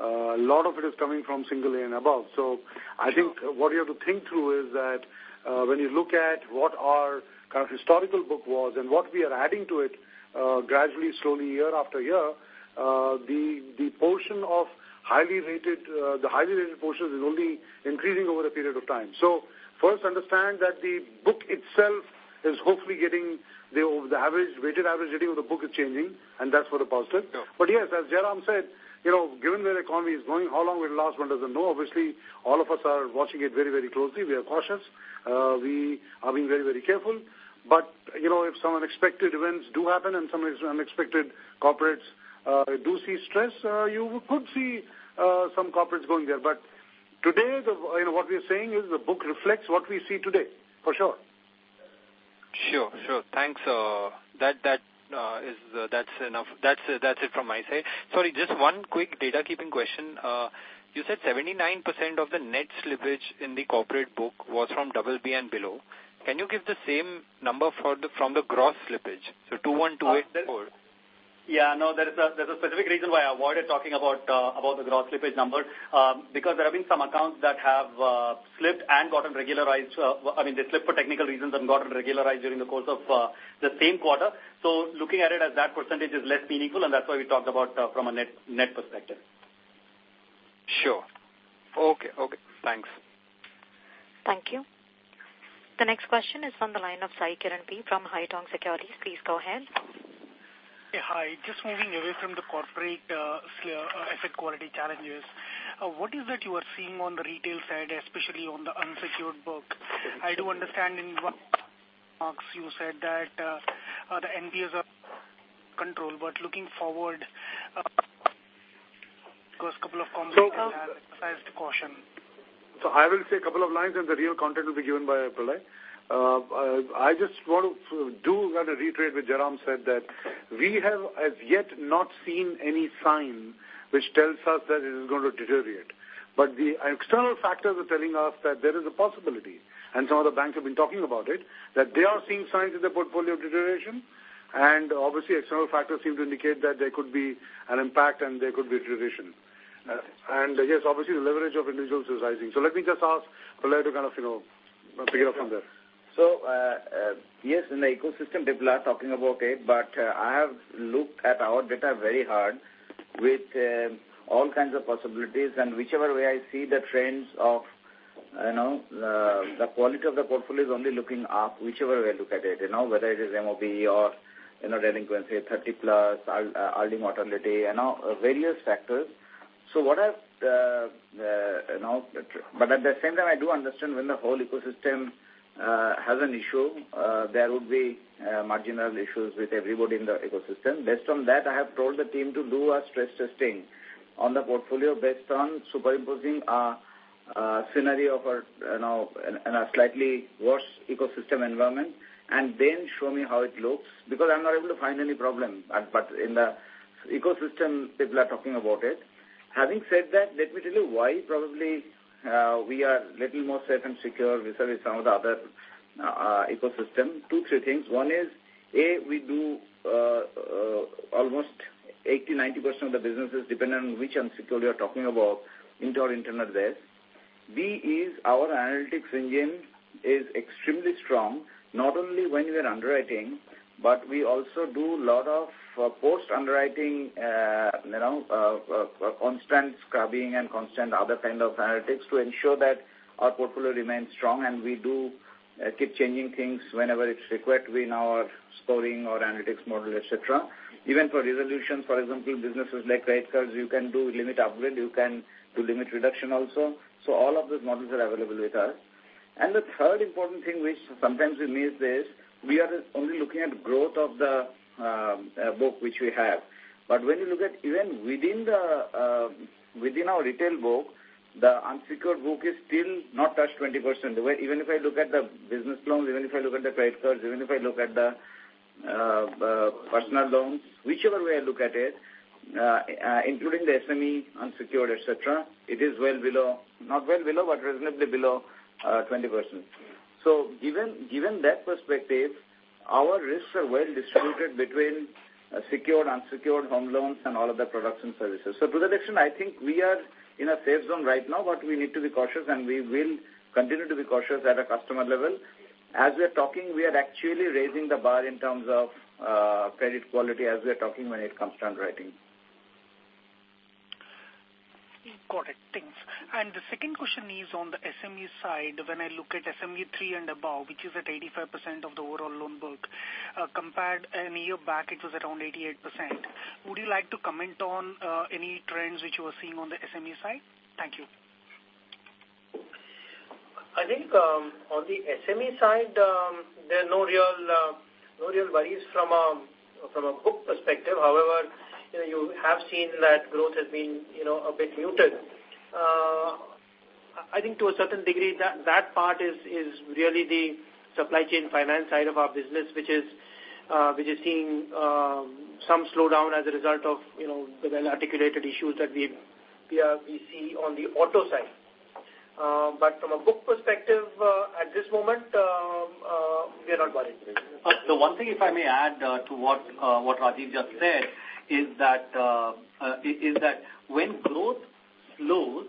a lot of it is coming from single A and above. So I think what you have to think through is that when you look at what our kind of historical book was and what we are adding to it gradually, slowly, year after year, the portion of highly rated the highly rated portion is only increasing over a period of time. So first, understand that the book itself is hopefully getting the weighted average rating of the book is changing. And that's for the positive. But yes, as Jairam said, given where the economy is going, how long it will last one doesn't know. Obviously, all of us are watching it very, very closely. We are cautious. We are being very, very careful. But if some unexpected events do happen and some unexpected corporates do see stress, you could see some corporates going there. But today, what we are saying is the book reflects what we see today, for sure. Sure. Sure. Thanks. That's enough. That's it from my side. Sorry. Just one quick data-keeping question. You said 79% of the net slippage in the corporate book was from BB and below. Can you give the same number from the gross slippage, so 21, 28, 4? Yeah. No. There's a specific reason why I avoided talking about the gross slippage number because there have been some accounts that have slipped and gotten regularized. I mean, they slipped for technical reasons and gotten regularized during the course of the same quarter. So looking at it as that percentage is less meaningful. That's why we talked about from a net perspective. Sure. Okay. Okay. Thanks. Thank you. The next question is from the line of Saikiran Pulavarthi from Haitong Securities. Please go ahead. Hi. Just moving away from the corporate asset quality challenges, what is it that you are seeing on the retail side, especially on the unsecured book? I do understand in one of the remarks, you said that the NPAs are under control. But looking forward, there's a couple of comments on that. Emphasize the caution. So I will say a couple of lines, and the real content will be given by Pralay. I just want to kind of reiterate what Jairam said, that we have as yet not seen any sign which tells us that it is going to deteriorate. But the external factors are telling us that there is a possibility. And some of the banks have been talking about it, that they are seeing signs in their portfolio of deterioration. And obviously, external factors seem to indicate that there could be an impact and there could be deterioration. And yes, obviously, the leverage of individuals is rising. So let me just ask Pralay to kind of pick it up from there. So yes, in the ecosystem, they're talking about it. But I have looked at our data very hard with all kinds of possibilities. And whichever way I see the trends of the quality of the portfolio is only looking up, whichever way I look at it, whether it is MOB or delinquency, 30-plus, early mortality, various factors, but at the same time, I do understand when the whole ecosystem has an issue. There would be marginal issues with everybody in the ecosystem. Based on that, I have told the team to do a stress testing on the portfolio based on superimposing a scenario of a slightly worse ecosystem environment and then show me how it looks because I'm not able to find any problem. But in the ecosystem, people are talking about it. Having said that, let me tell you why probably we are a little more safe and secure vis-à-vis some of the other ecosystems. Two, three things. One is, A, we do almost 80% to 90% of the businesses depending on which unsecured you're talking about into our internal base. B is our analytics engine is extremely strong, not only when we are underwriting, but we also do a lot of post-underwriting constant scrubbing and constant other kind of analytics to ensure that our portfolio remains strong. And we do keep changing things whenever it's required in our scoring or analytics model, etc. Even for resolutions, for example, businesses like credit cards, you can do limit upgrade. You can do limit reduction also. So all of those models are available with us. The third important thing which sometimes we miss is we are only looking at growth of the book which we have. But when you look at even within our retail book, the unsecured book is still not touched 20%. Even if I look at the business loans, even if I look at the credit cards, even if I look at the personal loans, whichever way I look at it, including the SME unsecured, etc., it is not well below, but reasonably below 20%. So given that perspective, our risks are well distributed between secured, unsecured home loans, and all of the products and services. So to that extent, I think we are in a safe zone right now. But we need to be cautious. We will continue to be cautious at a customer level. As we are talking, we are actually raising the bar in terms of credit quality as we are talking when it comes to underwriting. Got it. Thanks. The second question is on the SME side. When I look at SME-3 and above, which is at 85% of the overall loan book, compared a year back, it was around 88%. Would you like to comment on any trends which you are seeing on the SME side? Thank you. I think on the SME side, there are no real worries from a book perspective. However, you have seen that growth has been a bit muted. I think to a certain degree, that part is really the supply chain finance side of our business which is seeing some slowdown as a result of the well-articulated issues that we see on the auto side. But from a book perspective, at this moment, we are not worried. The one thing, if I may add to what Rajiv just said, is that when growth slows,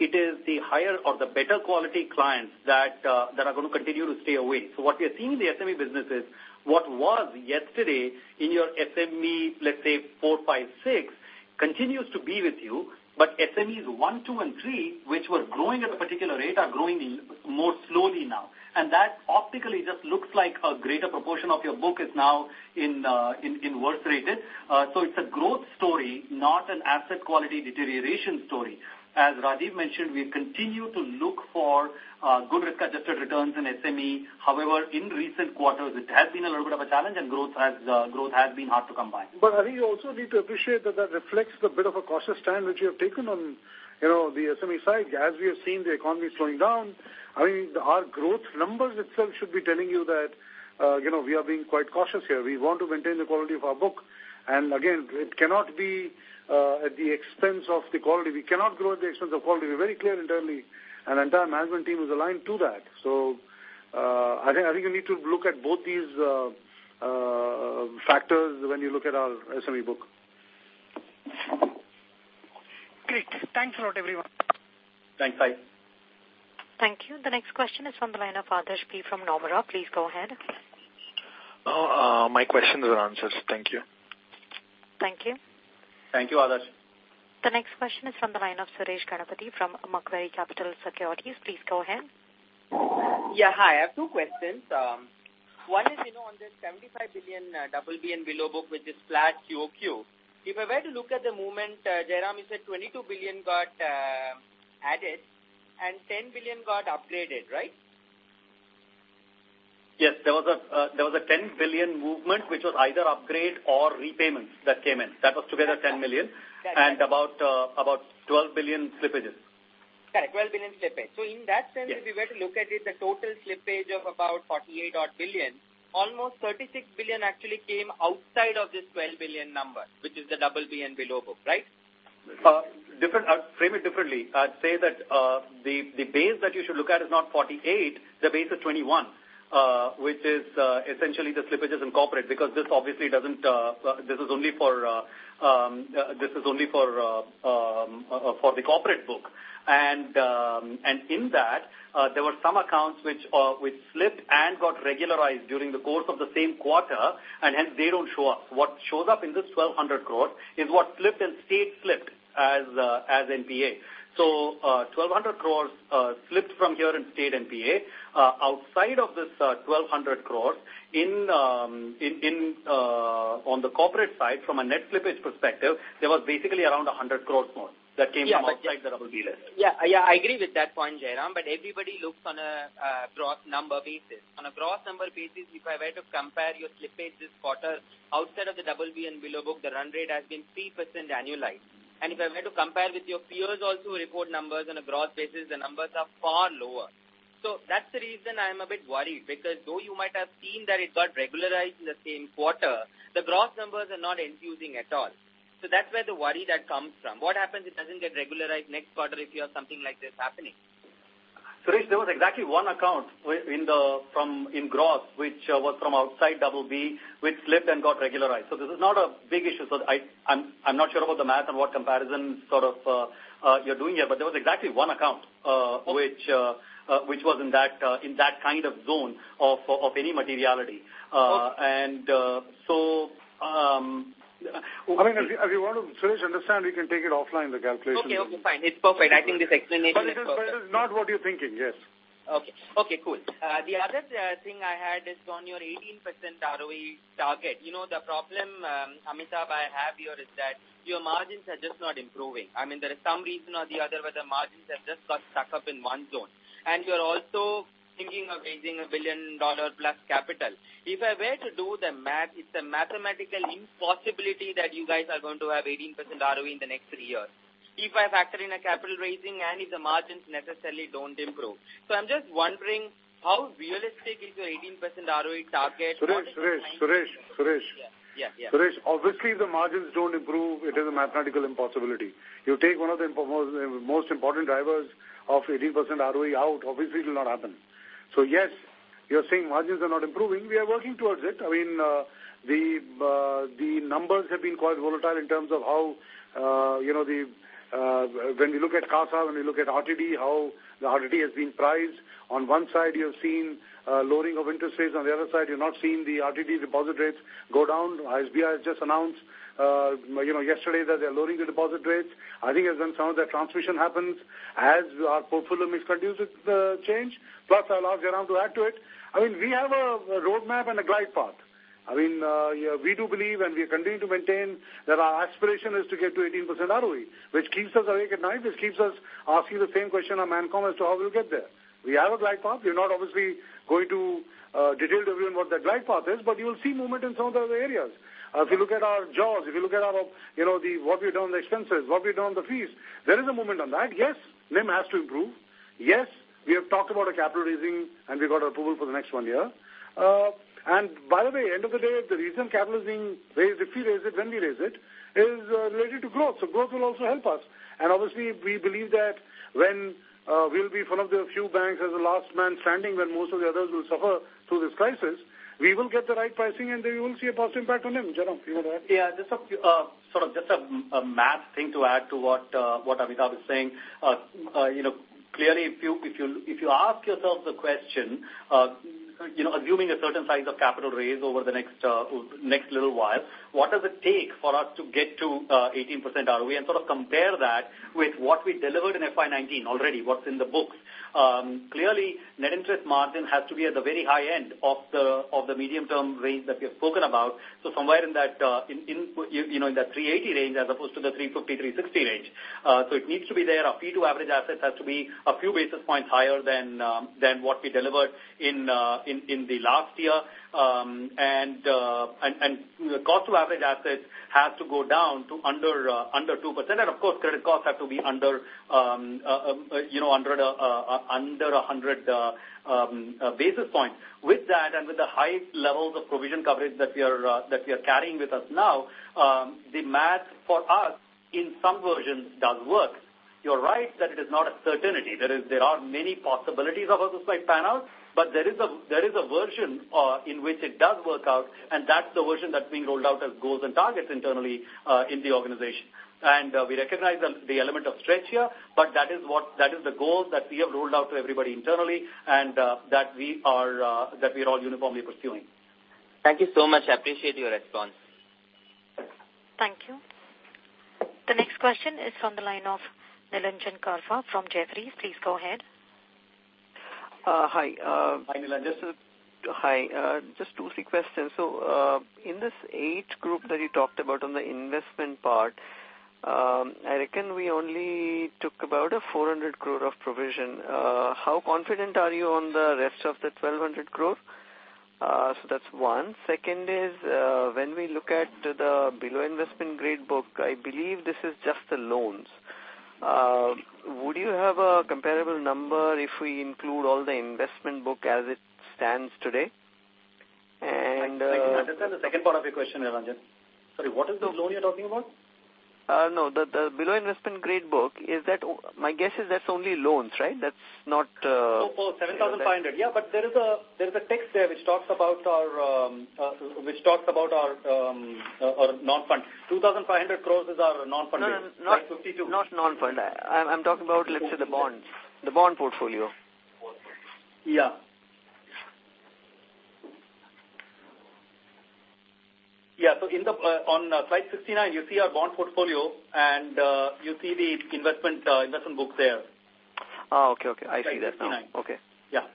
it is the higher or the better quality clients that are going to continue to stay away. So what we are seeing in the SME businesses, what was yesterday in your SME, let's say, 4, 5, 6, continues to be with you. But SMEs 1, 2, and 3, which were growing at a particular rate, are growing more slowly now. And that optically just looks like a greater proportion of your book is now in worse rating. So it's a growth story, not an asset quality deterioration story. As Rajiv mentioned, we continue to look for good risk-adjusted returns in SME. However, in recent quarters, it has been a little bit of a challenge. And growth has been hard to come by. But I think you also need to appreciate that that reflects a bit of a cautious stand which you have taken on the SME side. As we have seen the economy slowing down, I mean, our growth numbers itself should be telling you that we are being quite cautious here. We want to maintain the quality of our book. And again, it cannot be at the expense of the quality. We cannot grow at the expense of quality. We're very clear internally. And the entire management team is aligned to that. So I think you need to look at both these factors when you look at our SME book. Great. Thanks a lot, everyone. Thanks. Bye. Thank you. The next question is from the line of Adarsh P. from Nomura. Please go ahead. My questions are answered. Thank you. Thank you. Thank you, Adarsh. The next question is from the line of Suresh Ganapathy from Macquarie Capital Securities. Please go ahead. Yeah. Hi. I have two questions. One is on the 75 billion BB and below book which is flat QOQ. If I were to look at the movement, Jairam you said 22 billion got added and 10 billion got upgraded, right? Yes. There was a 10 billion movement which was either upgrade or repayments that came in. That was together 10 million. And about 12 billion slippages. Correct. 12 billion slippage. So in that sense, if you were to look at it, the total slippage of about 48-odd billion, almost 36 billion actually came outside of this 12 billion number which is the BB and below book, right? I would frame it differently. I'd say that the base that you should look at is not 48. The base is 21 which is essentially the slippages in corporate because this is only for the corporate book. And in that, there were some accounts which slipped and got regularized during the course of the same quarter. And hence, they don't show up. What shows up in this 1,200 crore is what slipped and stayed slipped as NPA. So 1,200 crore slipped from here and stayed NPA. Outside of this 1,200 crore, on the corporate side, from a net slippage perspective, there was basically around 100 crore more that came from outside the BB list. Yeah. Yeah. I agree with that point, Jairam. But everybody looks on a gross number basis. On a gross number basis, if I were to compare your slippage this quarter outside of the BB and below book, the run rate has been 3% annualized. And if I were to compare with your peers also report numbers on a gross basis, the numbers are far lower. So that's the reason I'm a bit worried because though you might have seen that it got regularized in the same quarter, the gross numbers are not enthusing at all. So that's where the worry that comes from. What happens if it doesn't get regularized next quarter if you have something like this happening? Suresh, there was exactly one account in gross which was from outside BB which slipped and got regularized. So this is not a big issue. So I'm not sure about the math and what comparison sort of you're doing here. But there was exactly one account which was in that kind of zone of any materiality. And so. I mean, as you want to, Suresh, understand, we can take it offline, the calculation. Okay. Okay. Fine. It's perfect. I think this explanation is perfect. But it is not what you're thinking. Yes. Okay. Okay. Cool. The other thing I had is on your 18% ROE target. The problem, Amitabh, I have here is that your margins are just not improving. I mean, there is some reason or the other whether margins have just got stuck up in one zone. And you're also thinking of raising $1 billion-plus capital. If I were to do the math, it's a mathematical impossibility that you guys are going to have 18% ROE in the next three years if I factor in a capital raising and if the margins necessarily don't improve. So I'm just wondering, how realistic is your 18% ROE target? Suresh. Suresh. Suresh. Suresh. Yeah. Yeah. Yeah. Suresh, obviously, if the margins don't improve, it is a mathematical impossibility. You take one of the most important drivers of 18% ROE out, obviously, it will not happen. So yes, you're saying margins are not improving. We are working towards it. I mean, the numbers have been quite volatile in terms of how the when you look at CASA, when you look at RTD, how the RTD has been priced. On one side, you have seen lowering of interest rates. On the other side, you're not seeing the RTD deposit rates go down. RBI has just announced yesterday that they're lowering the deposit rates. I think as then some of that transmission happens as our portfolio mix and costs change. Plus, I'll ask Jairam to add to it. I mean, we have a roadmap and a glide path. I mean, we do believe and we continue to maintain that our aspiration is to get to 18% ROE which keeps us awake at night. This keeps us asking the same question on Mancom as to how we'll get there. We have a glide path. We're not obviously going to detail to everyone what that glide path is. But you will see movement in some of the other areas. If you look at our jaws, if you look at what we've done on the expenses, what we've done on the fees, there is a movement on that. Yes, NIM has to improve. Yes, we have talked about a capital raising. And we got approval for the next one year. And by the way, end of the day, the reason capital is being raised, when we raise it, is related to growth. Growth will also help us. Obviously, we believe that when we'll be one of the few banks as a last man standing when most of the others will suffer through this crisis, we will get the right pricing. Then you will see a positive impact on NIM, Jairam. Do you want to add? Yeah. Just sort of just a math thing to add to what Amitabh is saying. Clearly, if you ask yourself the question, assuming a certain size of capital raise over the next little while, what does it take for us to get to 18% ROE and sort of compare that with what we delivered in FY19 already, what's in the books? Clearly, net interest margin has to be at the very high end of the medium-term range that we have spoken about. So somewhere in that 380 range as opposed to the 350, 360 range. So it needs to be there. Our fee to average assets has to be a few basis points higher than what we delivered in the last year. And cost-to-average assets has to go down to under 2%. And of course, credit costs have to be under 100 basis points. With that and with the high levels of provision coverage that we are carrying with us now, the math for us, in some versions, does work. You're right that it is not a certainty. There are many possibilities of how this might pan out. But there is a version in which it does work out. And that's the version that's being rolled out as goals and targets internally in the organization. And we recognize the element of stretch here. But that is the goal that we have rolled out to everybody internally and that we are all uniformly pursuing. Thank you so much. I appreciate your response. Thank you. The next question is from the line of Nilanjan Karfa from Jefferies. Please go ahead. Hi. Hi, Nilanjan. Hi. Just two quick questions. So in this 8 group that you talked about on the investment part, I reckon we only took about 400 crore of provision. How confident are you on the rest of the 1,200 crore? So that's one. Second is, when we look at the below investment grade book, I believe this is just the loans. Would you have a comparable number if we include all the investment book as it stands today? And. I cannot understand the second part of your question, Nilanjan. Sorry. What is the loan you're talking about? No. The below investment grade book, my guess is that's only loans, right? That's not. Oh, oh, 7,500. Yeah. But there is a text there which talks about our non-fund. 2,500 crore is our non-fund base. Slide 52. Not non-fund. I'm talking about, let's say, the bonds. The bond portfolio. Yeah. Yeah. So on slide 69, you see our bond portfolio. And you see the investment book there. Oh, okay. Okay. I see that now. Okay.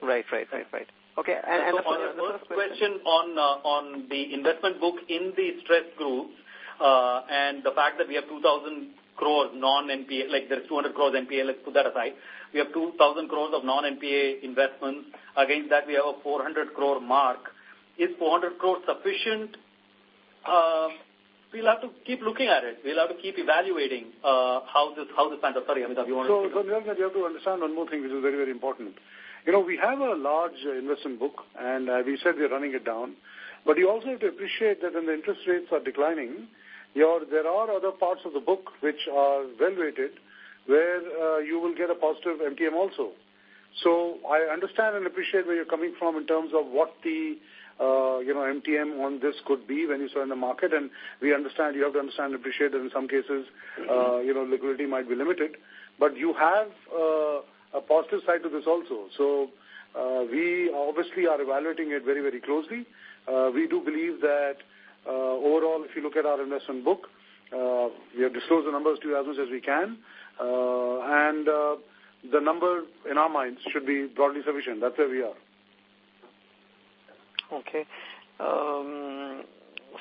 Right. Right. Right. Right. Okay. And the following. So the first question on the investment book in the stress groups and the fact that we have 2,000 crores non-NPA. There's 200 crores NPA. Let's put that aside. We have 2,000 crores of non-NPA investments. Against that, we have a 400 crore mark. Is 400 crore sufficient? We'll have to keep looking at it. We'll have to keep evaluating how this stands out. Sorry, Amitabh. You wanted to. So Nilanjan, you have to understand one more thing which is very, very important. We have a large investment book. And we said we're running it down. But you also have to appreciate that when the interest rates are declining, there are other parts of the book which are well-rated where you will get a positive MTM also. So I understand and appreciate where you're coming from in terms of what the MTM on this could be when you saw in the market. And we understand you have to understand and appreciate that in some cases, liquidity might be limited. But you have a positive side to this also. So we obviously are evaluating it very, very closely. We do believe that overall, if you look at our investment book, we have disclosed the numbers to you as much as we can. The number, in our minds, should be broadly sufficient. That's where we are. Okay.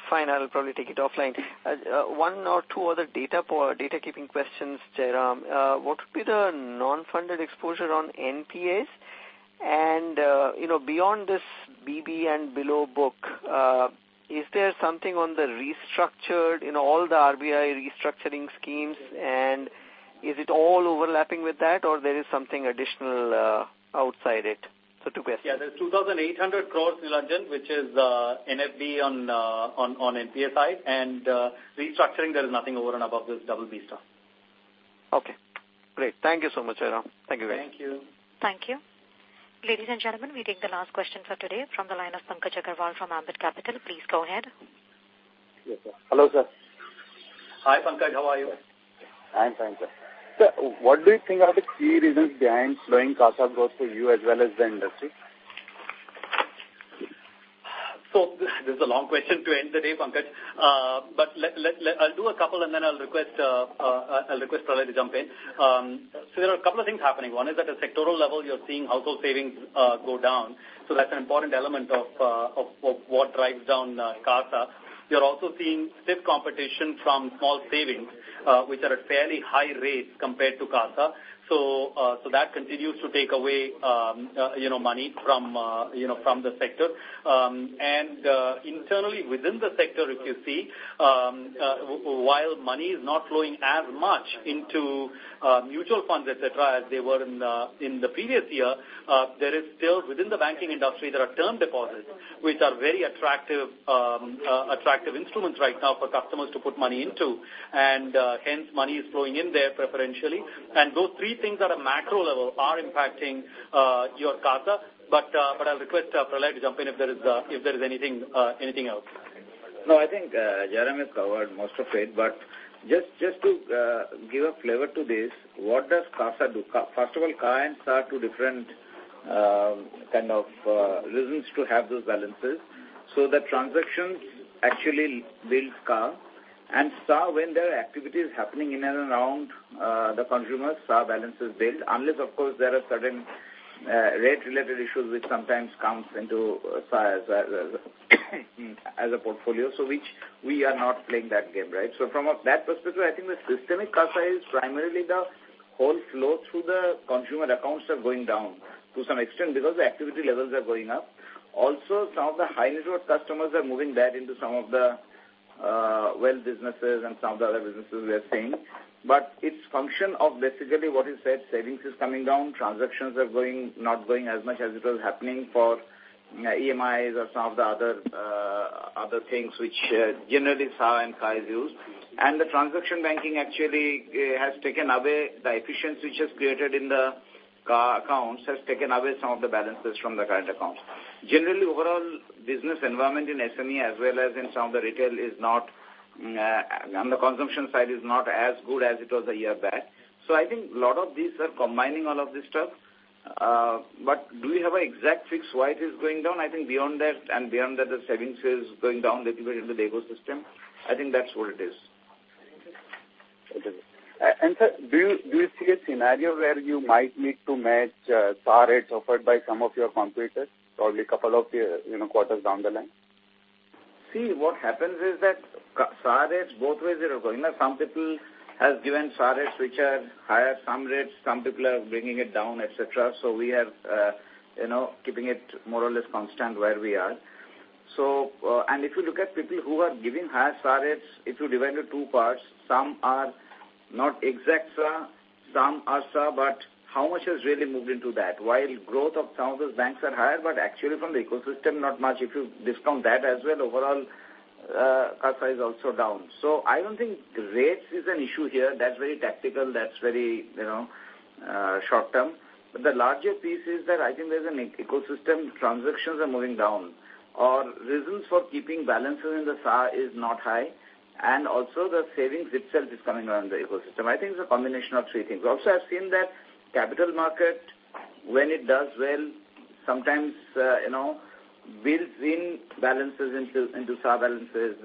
Fine. I'll probably take it offline. One or two other data-keeping questions, Jairam. What would be the non-funded exposure on NPAs? And beyond this BB and below book, is there something on the restructured all the RBI restructuring schemes? And is it all overlapping with that? Or there is something additional outside it? So two questions. Yeah. There's 2,800 crore, Nilanjan, which is NBFC on NPA side. And restructuring, there is nothing over and above this BB stuff. Okay. Great. Thank you so much, Jairam. Thank you, guys. Thank you. Thank you. Ladies and gentlemen, we take the last question for today from the line of Pankaj Agarwal from Ambit Capital. Please go ahead. Hello, sir. Hi, Pankaj. How are you? I'm fine, sir. Sir, what do you think are the key reasons behind slowing CASA growth for you as well as the industry? So this is a long question to end the day, Pankaj. But I'll do a couple. And then I'll request Pralay to jump in. So there are a couple of things happening. One is that at sectoral level, you're seeing household savings go down. So that's an important element of what drives down CASA. You're also seeing stiff competition from small savings which are at fairly high rates compared to CASA. So that continues to take away money from the sector. And internally, within the sector, if you see, while money is not flowing as much into mutual funds, etc., as they were in the previous year, there is still within the banking industry, there are term deposits which are very attractive instruments right now for customers to put money into. And hence, money is flowing in there preferentially. And those three things at a macro level are impacting your CASA. But I'll request Pralay to jump in if there is anything else. No. I think Jairam has covered most of it. But just to give a flavor to this, what does CASA do? First of all, CA and SA are two different kind of reasons to have those balances so that transactions actually build CA. And SA, when their activity is happening in and around the consumer, SA balances build unless, of course, there are certain rate-related issues which sometimes count into SA as a portfolio so which we are not playing that game, right? So from that perspective, I think the systemic CASA is primarily the whole flow through the consumer accounts are going down to some extent because the activity levels are going up. Also, some of the high-net-worth customers are moving back into some of the wealth businesses and some of the other businesses we are seeing. But it's a function of basically what you said. Savings is coming down. Transactions are not going as much as it was happening for EMIs or some of the other things which generally SA and CA is used. And the transaction banking actually has taken away the efficiency which has created in the CA accounts, has taken away some of the balances from the current accounts. Generally, overall business environment in SME as well as in some of the retail is not on the consumption side, is not as good as it was a year back. So I think a lot of these are combining all of this stuff. But do we have an exact fix why it is going down? I think beyond that and beyond that, the savings is going down a little bit into the ecosystem. I think that's what it is. Sir, do you see a scenario where you might need to match SA rates offered by some of your competitors, probably a couple of quarters down the line? See, what happens is that SA rates, both ways, they're going. Some people have given SA rates which are higher, some rates. Some people are bringing it down, etc. So we are keeping it more or less constant where we are. If you look at people who are giving higher SA rates, if you divide it into two parts, some are not exact SA. Some are SA. But how much has really moved into that? While growth of some of those banks are higher, but actually, from the ecosystem, not much. If you discount that as well, overall, CASA is also down. So I don't think rates is an issue here. That's very tactical. That's very short-term. But the larger piece is that I think there's an ecosystem. Transactions are moving down. Our reasons for keeping balances in the SA is not high. And also, the savings itself is coming around the ecosystem. I think it's a combination of three things. Also, I've seen that capital market, when it does well, sometimes builds in balances into SA balances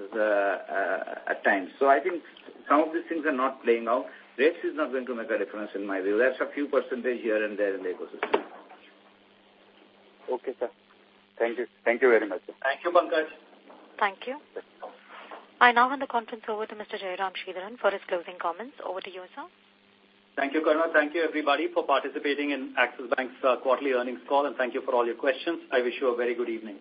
at times. So I think some of these things are not playing out. Rates is not going to make a difference in my view. That's a few percentage here and there in the ecosystem. Okay, sir. Thank you. Thank you very much, sir. Thank you, Pankaj. Thank you. I now hand the conference over to Jairam Sridharan for his closing comments. Over to you, sir. Thank you, Karna. Thank you, everybody, for participating in Axis Bank's quarterly earnings call. Thank you for all your questions. I wish you a very good evening.